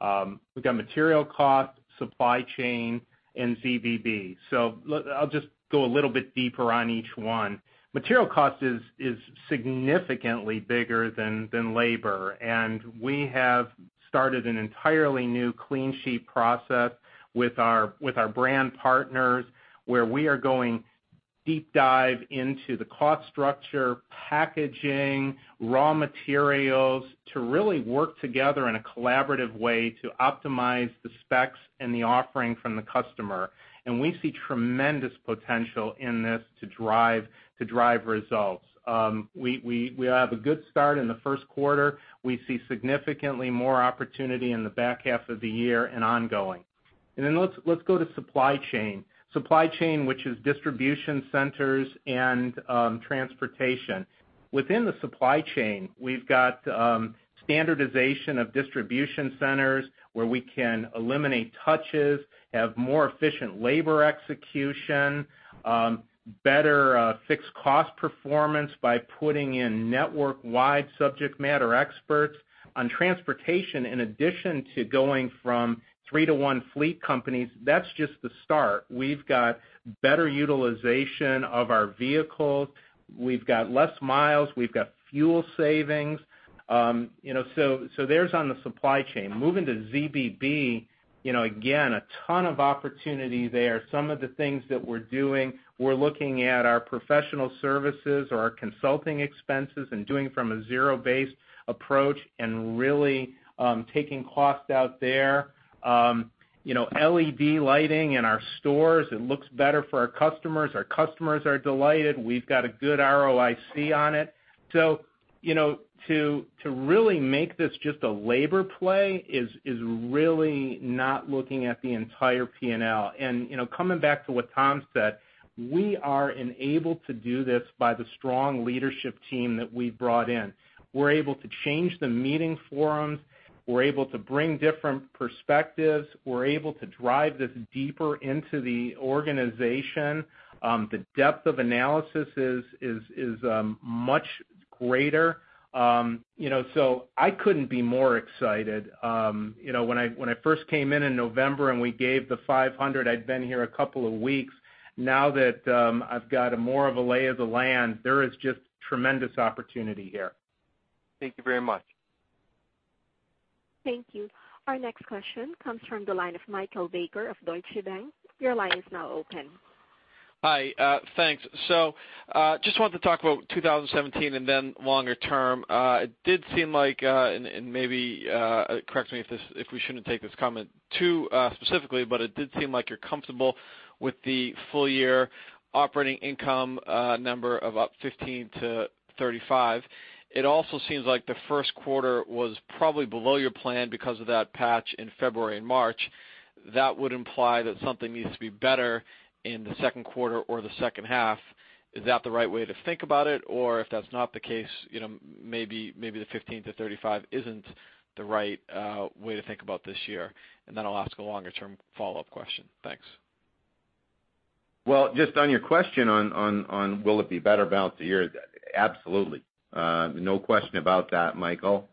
We've got material cost, supply chain, and ZBB. I'll just go a little bit deeper on each one. Material cost is significantly bigger than labor, and we have started an entirely new clean sheet process with our brand partners, where we are going deep dive into the cost structure, packaging, raw materials to really work together in a collaborative way to optimize the specs and the offering from the customer. We see tremendous potential in this to drive results. We have a good start in the first quarter. We see significantly more opportunity in the back half of the year and ongoing. Let's go to supply chain. Supply chain, which is distribution centers and transportation. Within the supply chain, we've got standardization of distribution centers where we can eliminate touches, have more efficient labor execution, better fixed cost performance by putting in network-wide subject matter experts. On transportation, in addition to going from three to one fleet companies, that's just the start. We've got better utilization of our vehicles. We've got less miles. We've got fuel savings. There's on the supply chain. Moving to ZBB, again, a ton of opportunity there. Some of the things that we're doing, we're looking at our professional services or our consulting expenses and doing from a zero-based approach and really taking cost out there. LED lighting in our stores, it looks better for our customers. Our customers are delighted. We've got a good ROIC on it. To really make this just a labor play is really not looking at the entire P&L. Coming back to what Tom said, we are enabled to do this by the strong leadership team that we brought in. We're able to change the meeting forums. We're able to bring different perspectives. We're able to drive this deeper into the organization. The depth of analysis is much greater. I couldn't be more excited. When I first came in in November and we gave the 500, I'd been here a couple of weeks. Now that I've got a more of a lay of the land, there is just tremendous opportunity here.
Thank you very much.
Thank you. Our next question comes from the line of Michael Baker of Deutsche Bank. Your line is now open.
Hi, thanks. Just wanted to talk about 2017 and then longer term. It did seem like, and maybe correct me if we shouldn't take this comment too specifically, but it did seem like you're comfortable with the full-year operating income number of up 15 basis points-35 basis points. It also seems like the first quarter was probably below your plan because of that patch in February and March. That would imply that something needs to be better in the second quarter or the second half. Is that the right way to think about it? Or if that's not the case, maybe the 15 basis points-35 basis points isn't the right way to think about this year. Then I'll ask a longer-term follow-up question. Thanks.
Well, just on your question on will it be better balance the year, absolutely. No question about that, Michael.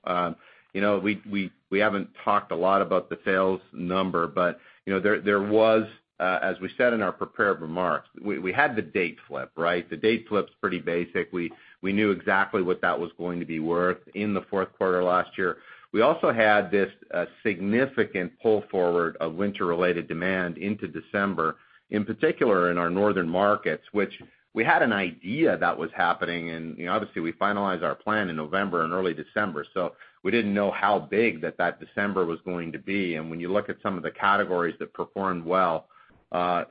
We haven't talked a lot about the sales number, there was, as we said in our prepared remarks, we had the date flip, right? The date flip is pretty basic. We knew exactly what that was going to be worth in the fourth quarter last year. We also had this significant pull forward of winter-related demand into December, in particular in our northern markets, which we had an idea that was happening and obviously, we finalized our plan in November and early December. We didn't know how big that December was going to be and when you look at some of the categories that performed well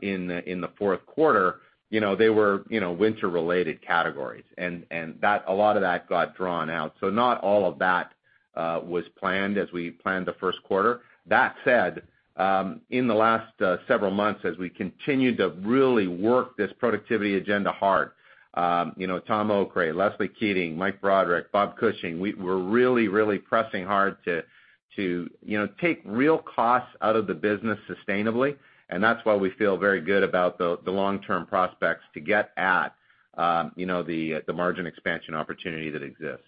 in the fourth quarter, they were winter-related categories. A lot of that got drawn out. Not all of that was planned as we planned the first quarter. That said, in the last several months as we continued to really work this productivity agenda hard, Tom Okray, Leslie Keating, Mike Broderick, Bob Cushing, we're really pressing hard to take real costs out of the business sustainably. That's why we feel very good about the long-term prospects to get at the margin expansion opportunity that exists.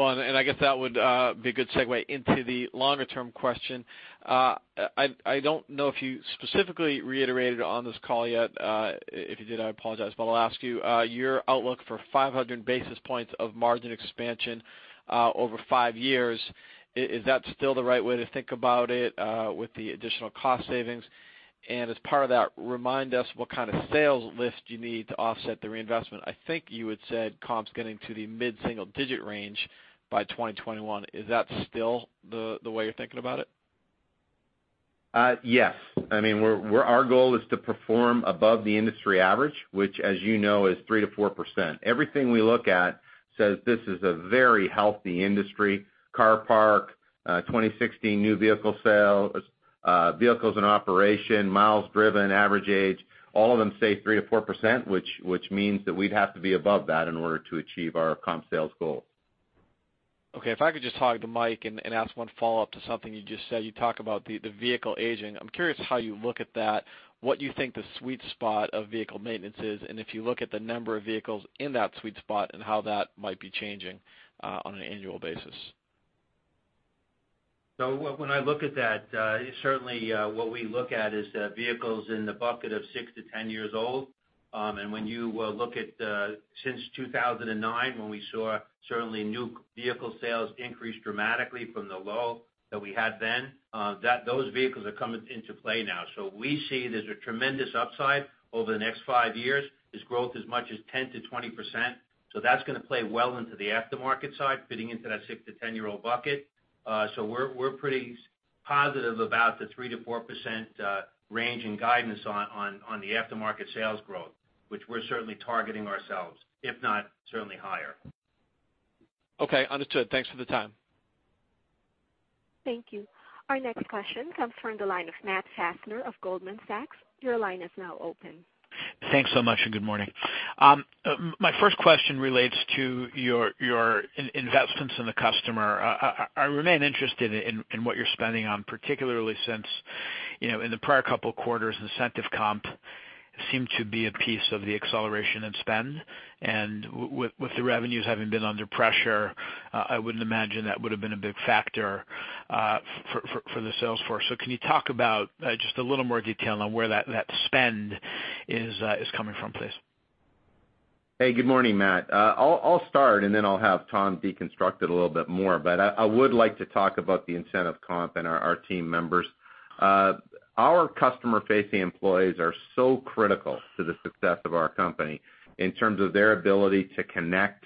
I guess that would be a good segue into the longer-term question. I don't know if you specifically reiterated on this call yet. If you did, I apologize, but I'll ask you. Your outlook for 500 basis points of margin expansion over five years, is that still the right way to think about it with the additional cost savings? As part of that, remind us what kind of sales lift you need to offset the reinvestment. I think you had said comps getting to the mid-single digit range by 2021. Is that still the way you're thinking about it?
Yes. Our goal is to perform above the industry average, which, as you know, is 3%-4%. Everything we look at says this is a very healthy industry. Car park, 2016 new vehicle sales, vehicles in operation, miles driven, average age, all of them say 3%-4%, which means that we'd have to be above that in order to achieve our comp sales goal.
Okay. If I could just talk to Mike and ask one follow-up to something you just said. You talk about the vehicle aging. I'm curious how you look at that, what you think the sweet spot of vehicle maintenance is, and if you look at the number of vehicles in that sweet spot, and how that might be changing on an annual basis.
When I look at that, certainly what we look at is vehicles in the bucket of six to 10 years old. When you look at since 2009, when we saw certainly new vehicle sales increase dramatically from the low that we had then, those vehicles are coming into play now. We see there's a tremendous upside over the next five years is growth as much as 10%-20%. That's going to play well into the aftermarket side, fitting into that six to 10-year-old bucket. We're pretty positive about the 3%-4% range in guidance on the aftermarket sales growth, which we're certainly targeting ourselves, if not certainly higher.
Okay. Understood. Thanks for the time.
Thank you. Our next question comes from the line of Matthew Fassler of Goldman Sachs. Your line is now open.
Thanks so much, and good morning. My first question relates to your investments in the customer. I remain interested in what you're spending on, particularly since in the prior couple of quarters, incentive comp seemed to be a piece of the acceleration in spend. With the revenues having been under pressure, I wouldn't imagine that would've been a big factor for the sales force. Can you talk about just a little more detail on where that spend is coming from, please?
Hey, good morning, Matt. I'll start, and then I'll have Tom deconstruct it a little bit more, but I would like to talk about the incentive comp and our team members. Our customer-facing employees are so critical to the success of our company in terms of their ability to connect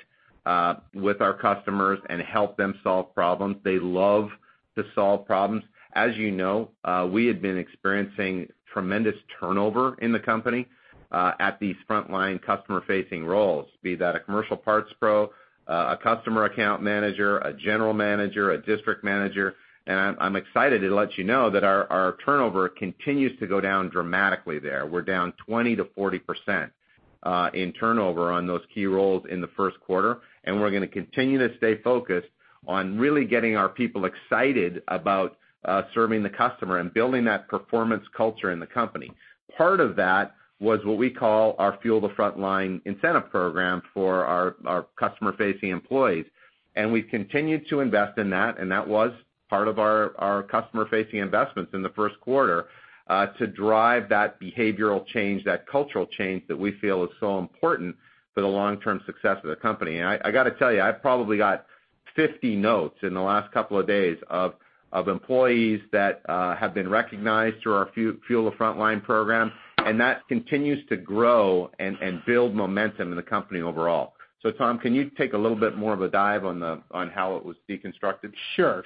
with our customers and help them solve problems. They love to solve problems. As you know, we had been experiencing tremendous turnover in the company at these frontline customer-facing roles, be that a commercial parts pro, a customer account manager, a general manager, a district manager. I'm excited to let you know that our turnover continues to go down dramatically there. We're down 20%-40% in turnover on those key roles in the first quarter, and we're going to continue to stay focused on really getting our people excited about serving the customer and building that performance culture in the company. Part of that was what we call our Fuel the Frontline incentive program for our customer-facing employees. We've continued to invest in that, and that was part of our customer-facing investments in the first quarter to drive that behavioral change, that cultural change that we feel is so important for the long-term success of the company. I got to tell you, I've probably got 50 notes in the last couple of days of employees that have been recognized through our Fuel the Frontline program, and that continues to grow and build momentum in the company overall. Tom, can you take a little bit more of a dive on how it was deconstructed?
Sure.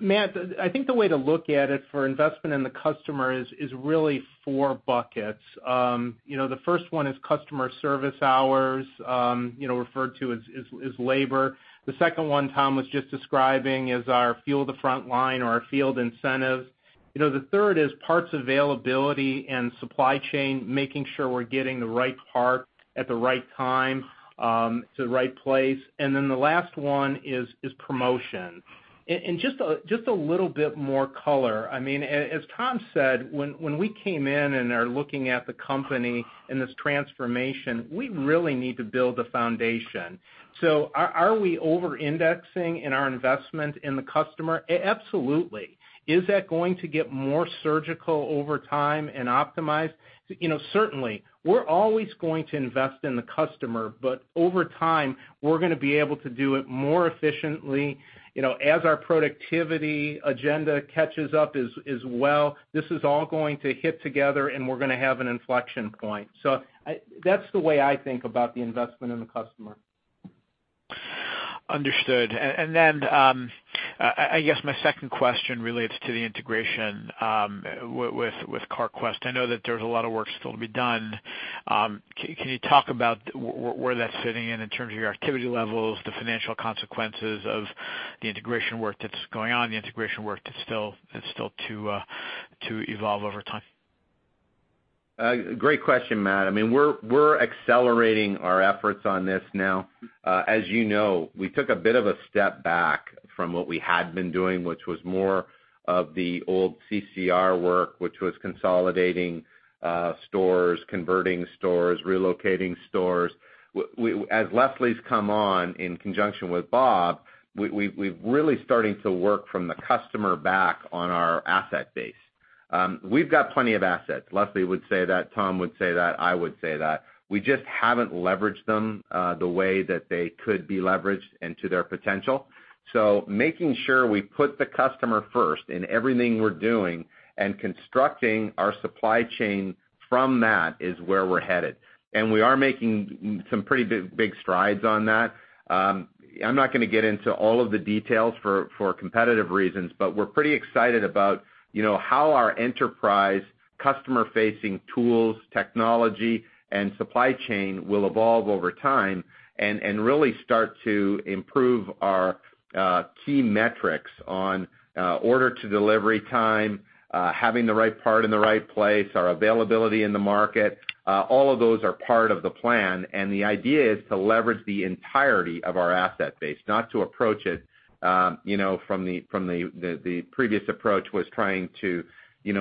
Matt, I think the way to look at it for investment in the customer is really four buckets. The first one is customer service hours, referred to as labor. The second one Tom was just describing is our Fuel the Frontline or our field incentives. The third is parts availability and supply chain, making sure we're getting the right part at the right time to the right place. The last one is promotion. Just a little bit more color. As Tom said, when we came in and are looking at the company and this transformation, we really need to build a foundation. Are we over-indexing in our investment in the customer? Absolutely. Is that going to get more surgical over time and optimized? Certainly. We're always going to invest in the customer, but over time, we're going to be able to do it more efficiently. As our productivity agenda catches up as well, this is all going to hit together, and we're going to have an inflection point. That's the way I think about the investment in the customer.
Understood. I guess my second question relates to the integration with Carquest. I know that there's a lot of work still to be done. Can you talk about where that's sitting in terms of your activity levels, the financial consequences of the integration work that's going on, the integration work that's still to evolve over time?
Great question, Matt. We're accelerating our efforts on this now. As you know, we took a bit of a step back from what we had been doing, which was more of the old CCR work, which was consolidating stores, converting stores, relocating stores. As Leslie's come on in conjunction with Bob, we've really starting to work from the customer back on our asset base. We've got plenty of assets. Leslie would say that, Tom would say that, I would say that. We just haven't leveraged them the way that they could be leveraged and to their potential. Making sure we put the customer first in everything we're doing and constructing our supply chain from that is where we're headed. We are making some pretty big strides on that. I'm not going to get into all of the details for competitive reasons, we're pretty excited about how our enterprise customer-facing tools, technology, and supply chain will evolve over time and really start to improve our key metrics on order to delivery time, having the right part in the right place, our availability in the market. All of those are part of the plan, the idea is to leverage the entirety of our asset base, not to approach it from the previous approach was trying to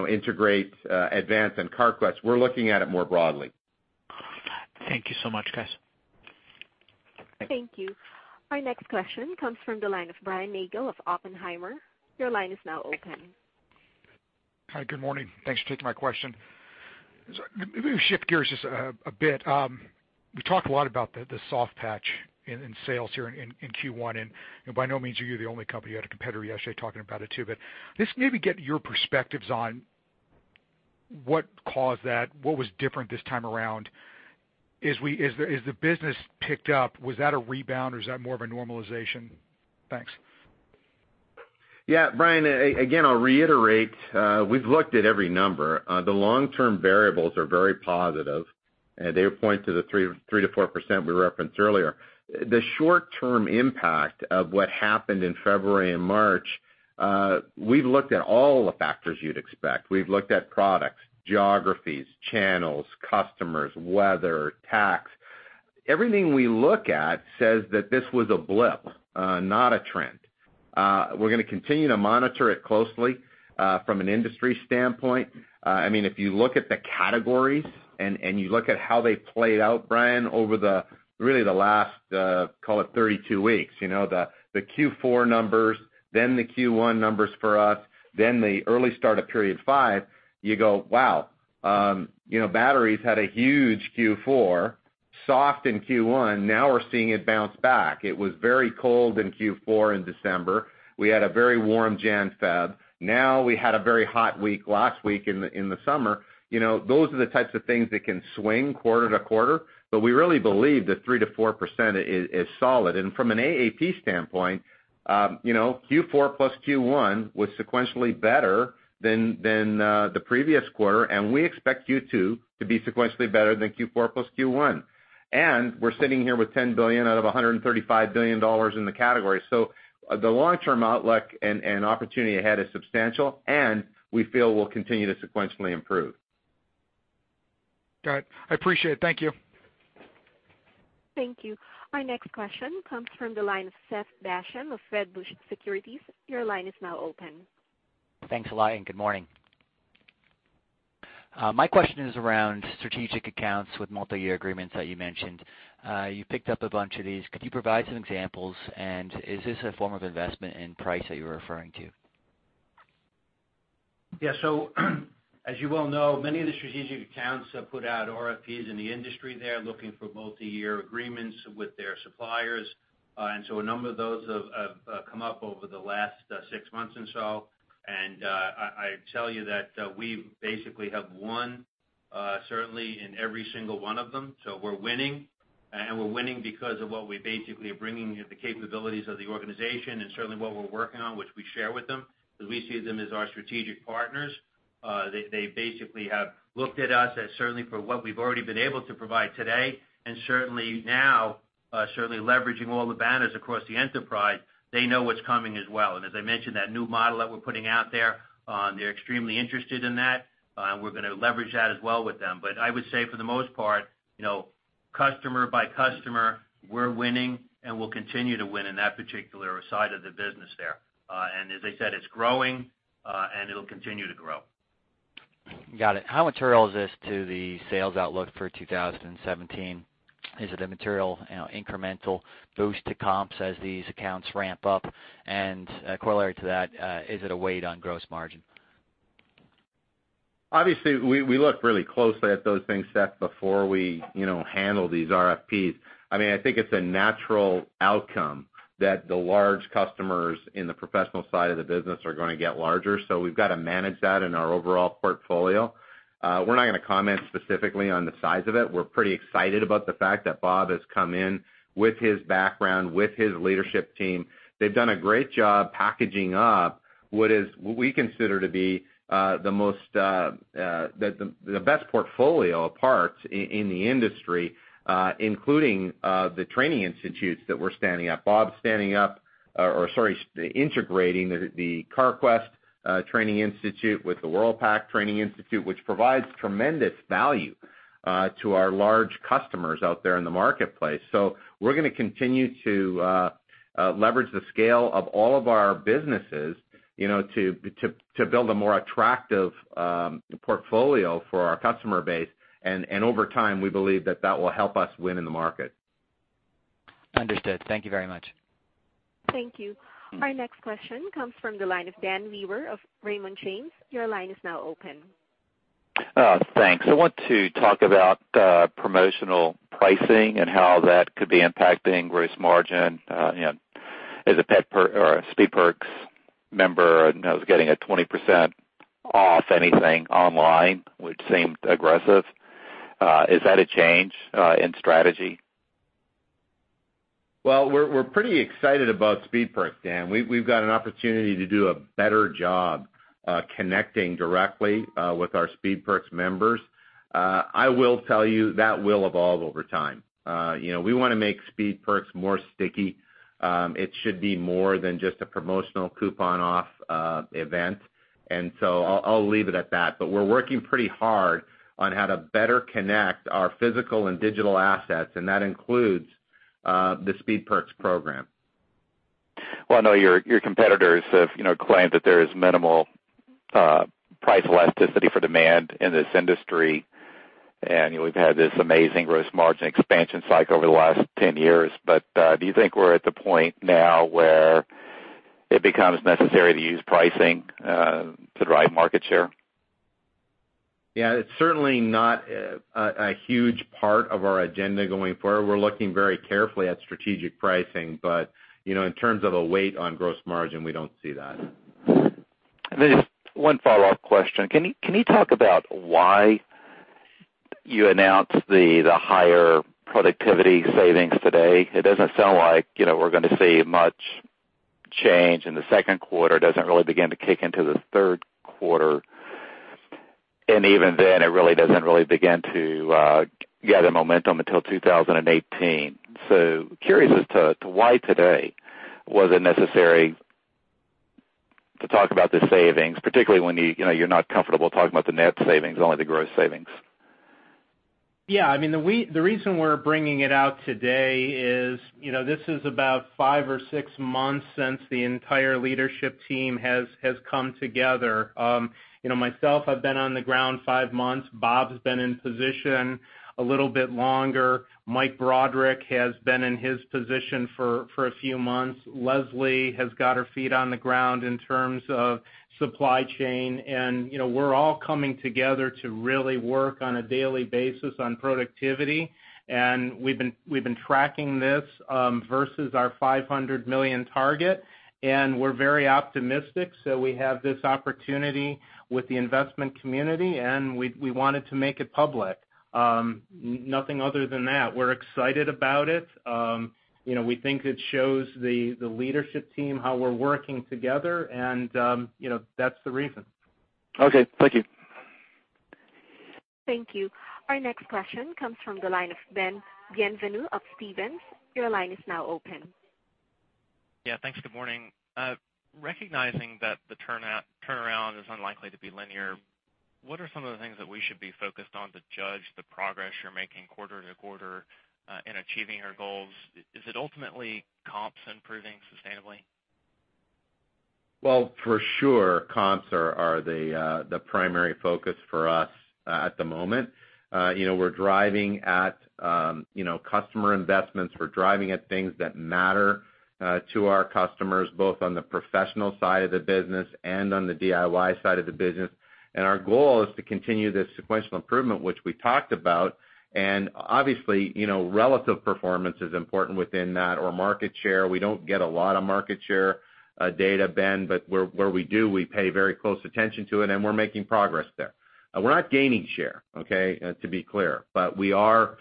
integrate Advance and Carquest. We're looking at it more broadly.
Thank you so much, guys.
Thank you. Our next question comes from the line of Brian Nagel of Oppenheimer. Your line is now open.
Hi, good morning. Thanks for taking my question. Let me shift gears just a bit. We talked a lot about the soft patch in sales here in Q1. By no means are you the only company. I had a competitor yesterday talking about it, too. Let's maybe get your perspectives on what caused that, what was different this time around. As the business picked up, was that a rebound or is that more of a normalization? Thanks.
Brian, again, I'll reiterate, we've looked at every number. The long-term variables are very positive. They point to the 3%-4% we referenced earlier. The short-term impact of what happened in February and March, we've looked at all the factors you'd expect. We've looked at products, geographies, channels, customers, weather, tax. Everything we look at says that this was a blip, not a trend. We're going to continue to monitor it closely from an industry standpoint. If you look at the categories and you look at how they played out, Brian, over the last, call it 32 weeks, the Q4 numbers, the Q1 numbers for us, the early start of period five, you go, "Wow!" Batteries had a huge Q4, soft in Q1. Now we're seeing it bounce back. It was very cold in Q4 in December. We had a very warm January, February. Now we had a very hot week last week in the summer. Those are the types of things that can swing quarter to quarter. We really believe that 3%-4% is solid. From an AAP standpoint, Q4 plus Q1 was sequentially better than the previous quarter. We expect Q2 to be sequentially better than Q4 plus Q1. We're sitting here with $10 billion out of $135 billion in the category. The long-term outlook and opportunity ahead is substantial. We feel we'll continue to sequentially improve.
Got it. I appreciate it. Thank you.
Thank you. Our next question comes from the line of Seth Basham of Wedbush Securities. Your line is now open.
Thanks a lot. Good morning. My question is around strategic accounts with multi-year agreements that you mentioned. You picked up a bunch of these. Could you provide some examples? Is this a form of investment in price that you were referring to?
Yeah. As you well know, many of the strategic accounts have put out RFP in the industry there, looking for multi-year agreements with their suppliers. A number of those have come up over the last six months or so. I tell you that we basically have won certainly in every single one of them. We're winning, We're winning because of what we basically are bringing, the capabilities of the organization and certainly what we're working on, which we share with them, because we see them as our strategic partners. They basically have looked at us as certainly for what we've already been able to provide today, certainly now, certainly leveraging all the banners across the enterprise. They know what's coming as well. As I mentioned, that new model that we're putting out there, they're extremely interested in that. I would say for the most part, customer by customer, we're winning and will continue to win in that particular side of the business there. As I said, it's growing, and it'll continue to grow.
Got it. How material is this to the sales outlook for 2017? Is it a material incremental boost to comps as these accounts ramp up? Corollary to that, is it a weight on gross margin?
Obviously, we look really closely at those things, Seth, before we handle these RFP. I think it's a natural outcome that the large customers in the professional side of the business are going to get larger. We've got to manage that in our overall portfolio. We're not going to comment specifically on the size of it. We're pretty excited about the fact that Bob has come in with his background, with his leadership team. They've done a great job packaging up what we consider to be the best portfolio of parts in the industry, including the training institutes that we're standing up. Bob's standing up Or sorry, integrating the Carquest Technical Institute with the Worldpac Training Institute, which provides tremendous value to our large customers out there in the marketplace. We're going to continue to leverage the scale of all of our businesses, to build a more attractive portfolio for our customer base. Over time, we believe that that will help us win in the market.
Understood. Thank you very much.
Thank you. Our next question comes from the line of Dan Wewer of Raymond James. Your line is now open.
Thanks. I want to talk about promotional pricing and how that could be impacting gross margin. As a Speed Perks member, I was getting a 20% off anything online, which seemed aggressive. Is that a change in strategy?
Well, we're pretty excited about Speed Perks, Dan. We've got an opportunity to do a better job connecting directly with our Speed Perks members. I will tell you that will evolve over time. We want to make Speed Perks more sticky. It should be more than just a promotional coupon off event. I'll leave it at that, but we're working pretty hard on how to better connect our physical and digital assets, and that includes the Speed Perks program.
Well, I know your competitors have claimed that there is minimal price elasticity for demand in this industry. We've had this amazing gross margin expansion cycle over the last 10 years. Do you think we're at the point now where it becomes necessary to use pricing to drive market share?
Yeah, it's certainly not a huge part of our agenda going forward. We're looking very carefully at strategic pricing, but, in terms of a weight on gross margin, we don't see that.
Just one follow-up question. Can you talk about why you announced the higher productivity savings today? It doesn't sound like we're going to see much change in the second quarter. Doesn't really begin to kick into the third quarter, even then, it really doesn't really begin to gather momentum until 2018. Curious as to why today was it necessary to talk about the savings, particularly when you're not comfortable talking about the net savings, only the gross savings.
Yeah, the reason we're bringing it out today is, this is about five or six months since the entire leadership team has come together. Myself, I've been on the ground five months. Bob's been in position a little bit longer. Mike Broderick has been in his position for a few months. Leslie has got her feet on the ground in terms of supply chain. We're all coming together to really work on a daily basis on productivity. We've been tracking this versus our $500 million target, we're very optimistic. We have this opportunity with the investment community, we wanted to make it public. Nothing other than that. We're excited about it. We think it shows the leadership team how we're working together, that's the reason.
Okay. Thank you.
Thank you. Our next question comes from the line of Ben Bienvenu of Stephens. Your line is now open.
Yeah, thanks. Good morning. Recognizing that the turnaround is unlikely to be linear, what are some of the things that we should be focused on to judge the progress you're making quarter-to-quarter in achieving your goals? Is it ultimately comps improving sustainably?
Well, for sure, comps are the primary focus for us at the moment. We're driving at customer investments. We're driving at things that matter to our customers, both on the professional side of the business and on the DIY side of the business. Our goal is to continue this sequential improvement, which we talked about. Obviously, relative performance is important within that or market share. We don't get a lot of market share data, Ben, but where we do, we pay very close attention to it, and we're making progress there. We're not gaining share, okay? To be clear. We are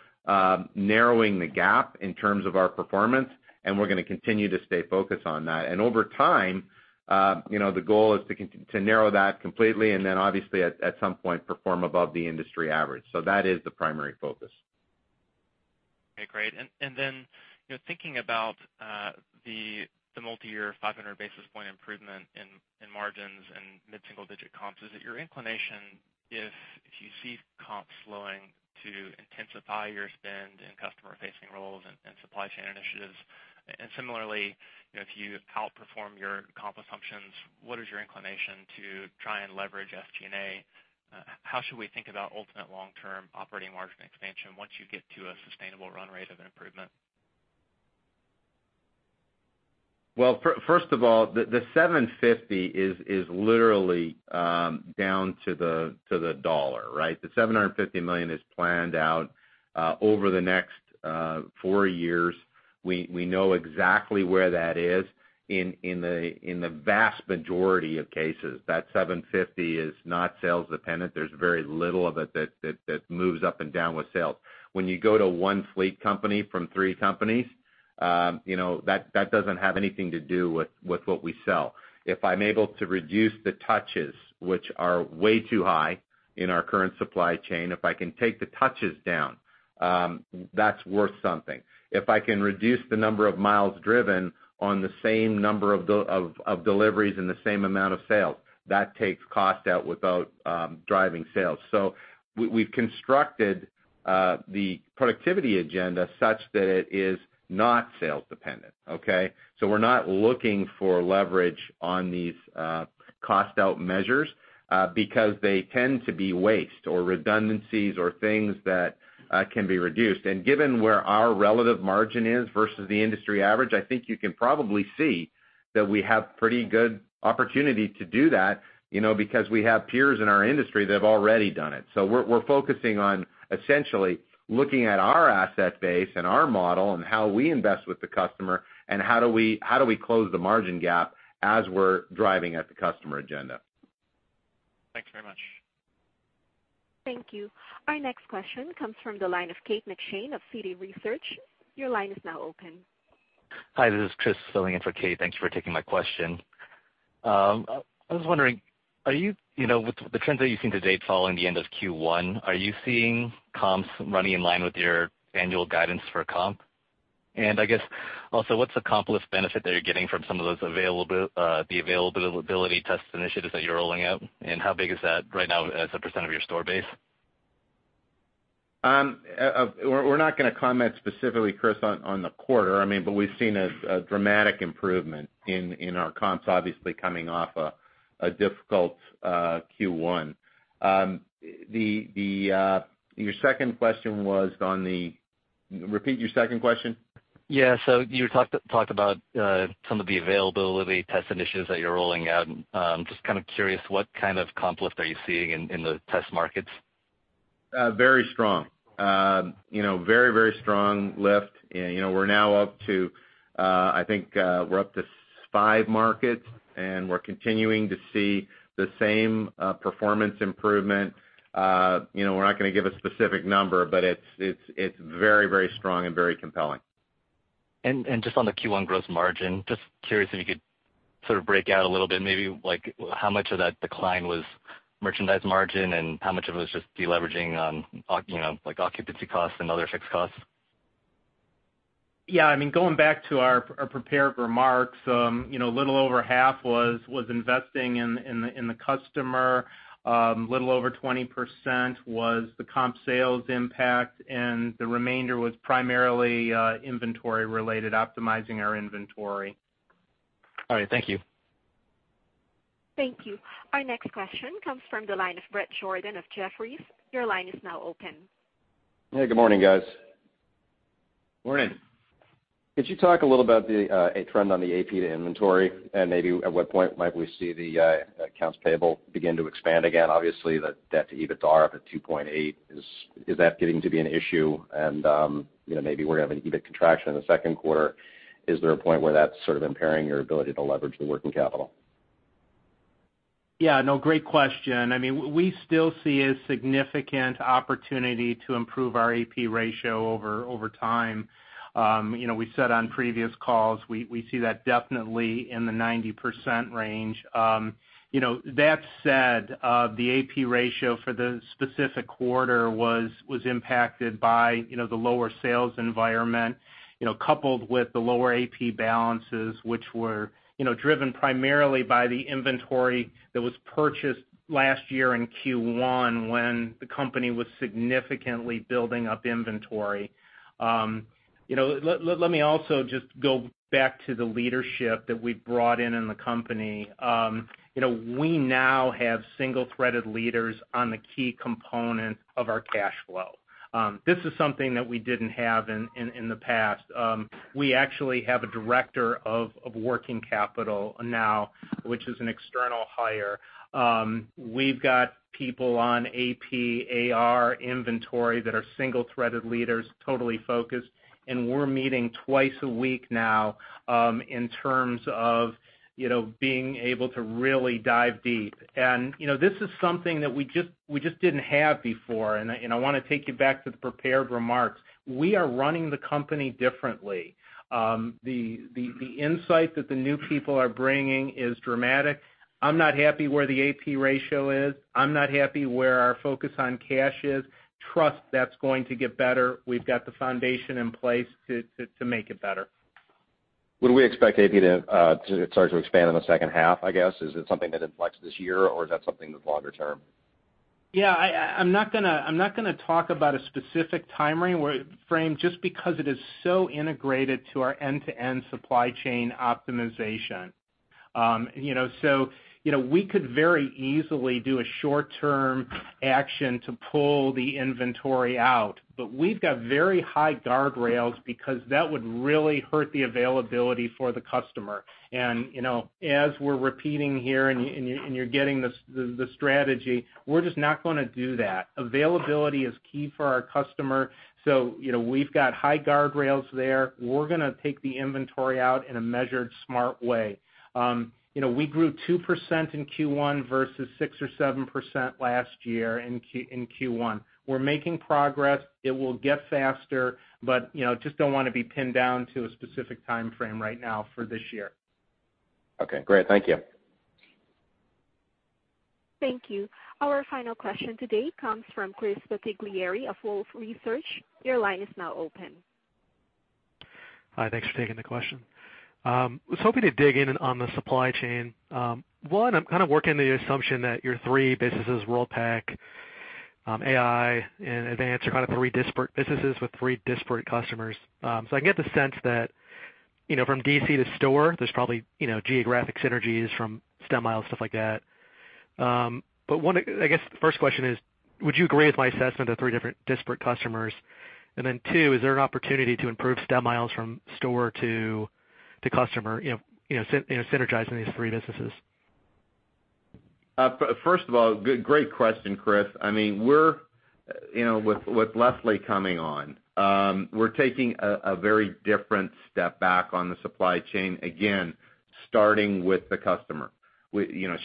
narrowing the gap in terms of our performance, and we're going to continue to stay focused on that. Over time, the goal is to narrow that completely, and then obviously at some point perform above the industry average. That is the primary focus.
Okay, great. Thinking about the multi-year 500 basis point improvement in margins and mid-single digit comps, is it your inclination if you see comps slowing to intensify your spend in customer-facing roles and supply chain initiatives? Similarly, if you outperform your comp assumptions, what is your inclination to try and leverage SG&A? How should we think about ultimate long-term operating margin expansion once you get to a sustainable run rate of an improvement?
First of all, the $750 is literally down to the dollar, right? The $750 million is planned out over the next four years. We know exactly where that is. In the vast majority of cases, that 750 is not sales dependent. There's very little of it that moves up and down with sales. When you go to one fleet company from three companies, that doesn't have anything to do with what we sell. If I'm able to reduce the touches, which are way too high in our current supply chain, if I can take the touches down, that's worth something. If I can reduce the number of miles driven on the same number of deliveries and the same amount of sales, that takes cost out without driving sales. We've constructed the productivity agenda such that it is not sales dependent, okay? We're not looking for leverage on these cost-out measures because they tend to be waste or redundancies or things that can be reduced. Given where our relative margin is versus the industry average, I think you can probably see that we have pretty good opportunity to do that because we have peers in our industry that have already done it. We're focusing on essentially looking at our asset base and our model and how we invest with the customer and how do we close the margin gap as we're driving at the customer agenda.
Thanks very much.
Thank you. Our next question comes from the line of Kate McShane of Citi Research. Your line is now open.
Hi, this is Chris filling in for Kate. Thanks for taking my question. I was wondering, with the trends that you've seen to date following the end of Q1, are you seeing comps running in line with your annual guidance for comp? I guess also, what's the comp lift benefit that you're getting from some of the availability test initiatives that you're rolling out, and how big is that right now as a % of your store base?
We're not going to comment specifically, Chris, on the quarter. We've seen a dramatic improvement in our comps, obviously coming off a difficult Q1. Repeat your second question.
Yeah. You talked about some of the availability test initiatives that you're rolling out. I'm just kind of curious, what kind of comp lift are you seeing in the test markets?
Very strong. Very strong lift. I think we're up to five markets. We're continuing to see the same performance improvement. We're not going to give a specific number, but it's very strong and very compelling.
Just on the Q1 gross margin, just curious if you could sort of break out a little bit, maybe how much of that decline was merchandise margin and how much of it was just deleveraging on occupancy costs and other fixed costs?
Yeah. Going back to our prepared remarks, a little over half was investing in the customer, a little over 20% was the comp sales impact. The remainder was primarily inventory related, optimizing our inventory.
All right. Thank you.
Thank you. Our next question comes from the line of Bret Jordan of Jefferies. Your line is now open.
Hey, good morning, guys.
Morning.
Could you talk a little about the trend on the AP to inventory and maybe at what point might we see the accounts payable begin to expand again? Obviously, the debt to EBITDA up at 2.8. Is that getting to be an issue? Maybe we're going to have an EBIT contraction in the second quarter. Is there a point where that's sort of impairing your ability to leverage the working capital?
Yeah. No, great question. We still see a significant opportunity to improve our AP ratio over time. We said on previous calls, we see that definitely in the 90% range. That said, the AP ratio for the specific quarter was impacted by the lower sales environment, coupled with the lower AP balances, which were driven primarily by the inventory that was purchased last year in Q1 when the company was significantly building up inventory. Let me also just go back to the leadership that we've brought in in the company. We now have single-threaded leaders on the key components of our cash flow. This is something that we didn't have in the past. We actually have a director of working capital now, which is an external hire. We've got people on AP, AR, inventory that are single-threaded leaders, totally focused. We're meeting twice a week now in terms of being able to really dive deep. This is something that we just didn't have before. I want to take you back to the prepared remarks. We are running the company differently. The insight that the new people are bringing is dramatic. I'm not happy where the AP ratio is. I'm not happy where our focus on cash is. Trust that's going to get better. We've got the foundation in place to make it better.
Would we expect AP to start to expand in the second half, I guess? Is it something that influx this year, or is that something that's longer term?
Yeah. I'm not going to talk about a specific time frame just because it is so integrated to our end-to-end supply chain optimization. We could very easily do a short-term action to pull the inventory out, but we've got very high guardrails because that would really hurt the availability for the customer. As we're repeating here and you're getting the strategy, we're just not going to do that. Availability is key for our customer, we've got high guardrails there. We're going to take the inventory out in a measured, smart way. We grew 2% in Q1 versus 6% or 7% last year in Q1. We're making progress. It will get faster, just don't want to be pinned down to a specific time frame right now for this year.
Okay, great. Thank you.
Thank you. Our final question today comes from Chris Bottiglieri of Wolfe Research. Your line is now open.
Hi. Thanks for taking the question. Was hoping to dig in on the supply chain. One, I'm kind of working the assumption that your three businesses, Worldpac, AI, and Advance, are kind of three disparate businesses with three disparate customers. I get the sense that from DC to store, there's probably geographic synergies from stem miles, stuff like that. I guess the first question is, would you agree with my assessment of three different disparate customers? Two, is there an opportunity to improve stem miles from store to customer, synergizing these three businesses?
First of all, great question, Chris. With Leslie coming on, we're taking a very different step back on the supply chain, again, starting with the customer.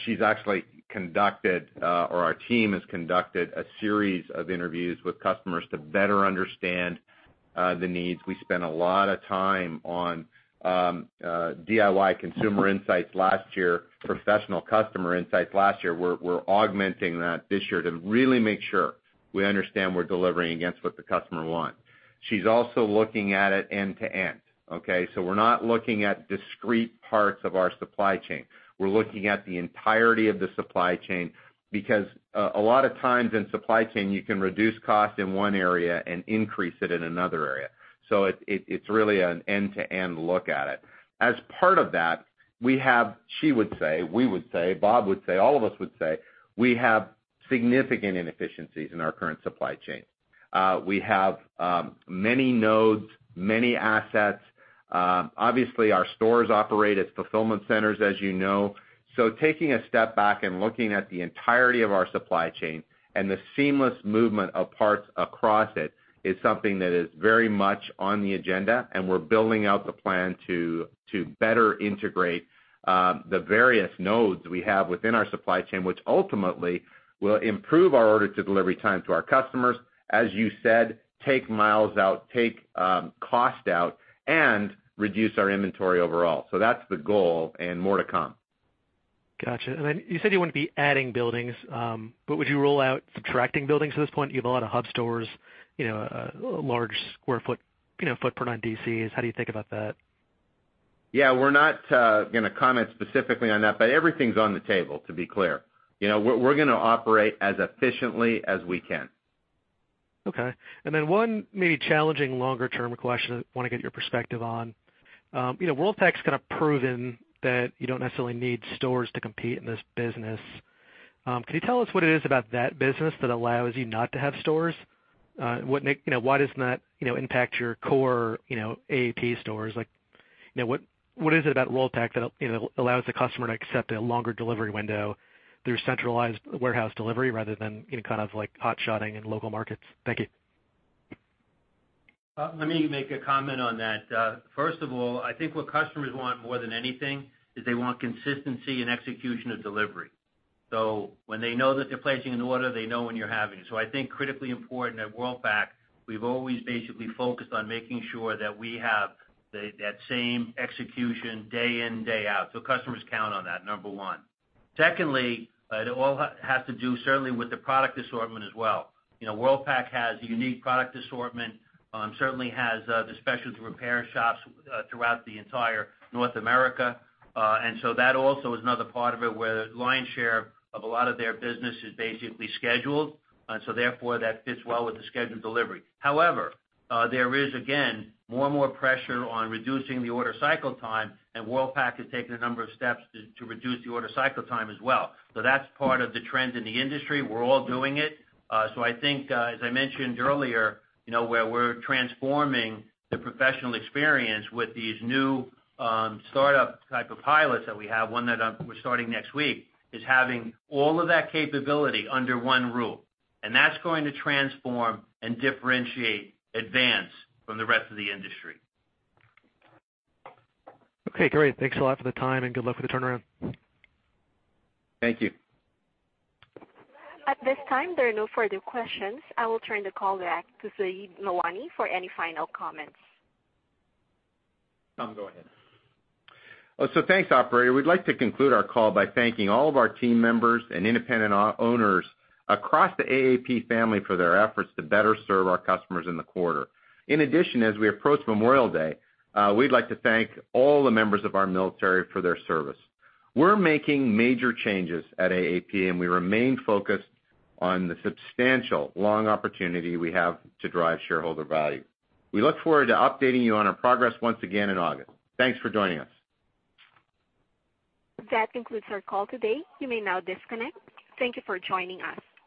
She's actually conducted, or our team has conducted, a series of interviews with customers to better understand the needs. We spent a lot of time on DIY consumer insights last year, professional customer insights last year. We're augmenting that this year to really make sure we understand we're delivering against what the customer want. She's also looking at it end to end, okay? We're not looking at discrete parts of our supply chain. We're looking at the entirety of the supply chain, because a lot of times in supply chain, you can reduce cost in one area and increase it in another area. It's really an end-to-end look at it. As part of that, we have, she would say, we would say, Bob would say, all of us would say, we have significant inefficiencies in our current supply chain. We have many nodes, many assets. Obviously, our stores operate as fulfillment centers, as you know. Taking a step back and looking at the entirety of our supply chain and the seamless movement of parts across it is something that is very much on the agenda, and we're building out the plan to better integrate the various nodes we have within our supply chain, which ultimately will improve our order to delivery time to our customers. As you said, take miles out, take cost out, and reduce our inventory overall. That's the goal and more to come.
Got you. You said you wouldn't be adding buildings, but would you rule out subtracting buildings at this point? You have a lot of hub stores, a large square footprint on DCs. How do you think about that?
Yeah, we're not going to comment specifically on that. Everything's on the table, to be clear. We're going to operate as efficiently as we can.
Okay. One maybe challenging longer-term question I want to get your perspective on. Worldpac's kind of proven that you don't necessarily need stores to compete in this business. Can you tell us what it is about that business that allows you not to have stores? Why doesn't that impact your core AAP stores? What is it about Worldpac that allows the customer to accept a longer delivery window through centralized warehouse delivery rather than kind of hot shotting in local markets? Thank you.
Let me make a comment on that. First of all, I think what customers want more than anything is they want consistency and execution of delivery. When they know that they're placing an order, they know when you're having it. I think critically important at Worldpac, we've always basically focused on making sure that we have that same execution day in, day out. Customers count on that, number one. Secondly, it all has to do certainly with the product assortment as well. Worldpac has a unique product assortment, certainly has the specialist repair shops throughout the entire North America. That also is another part of it where the lion's share of a lot of their business is basically scheduled. Therefore, that fits well with the scheduled delivery. There is again, more and more pressure on reducing the order cycle time, and Worldpac has taken a number of steps to reduce the order cycle time as well. That's part of the trend in the industry. We're all doing it. I think, as I mentioned earlier, we're transforming the professional experience with these new startup type of pilots that we have, one that we're starting next week, is having all of that capability under one roof. That's going to transform and differentiate Advance from the rest of the industry.
Okay, great. Thanks a lot for the time, and good luck with the turnaround.
Thank you.
At this time, there are no further questions. I will turn the call back to Zahid Nawani for any final comments.
Tom, go ahead. Thanks, operator. We'd like to conclude our call by thanking all of our team members and independent owners across the AAP family for their efforts to better serve our customers in the quarter. In addition, as we approach Memorial Day, we'd like to thank all the members of our military for their service. We're making major changes at AAP, and we remain focused on the substantial long opportunity we have to drive shareholder value. We look forward to updating you on our progress once again in August. Thanks for joining us.
That concludes our call today. You may now disconnect. Thank you for joining us.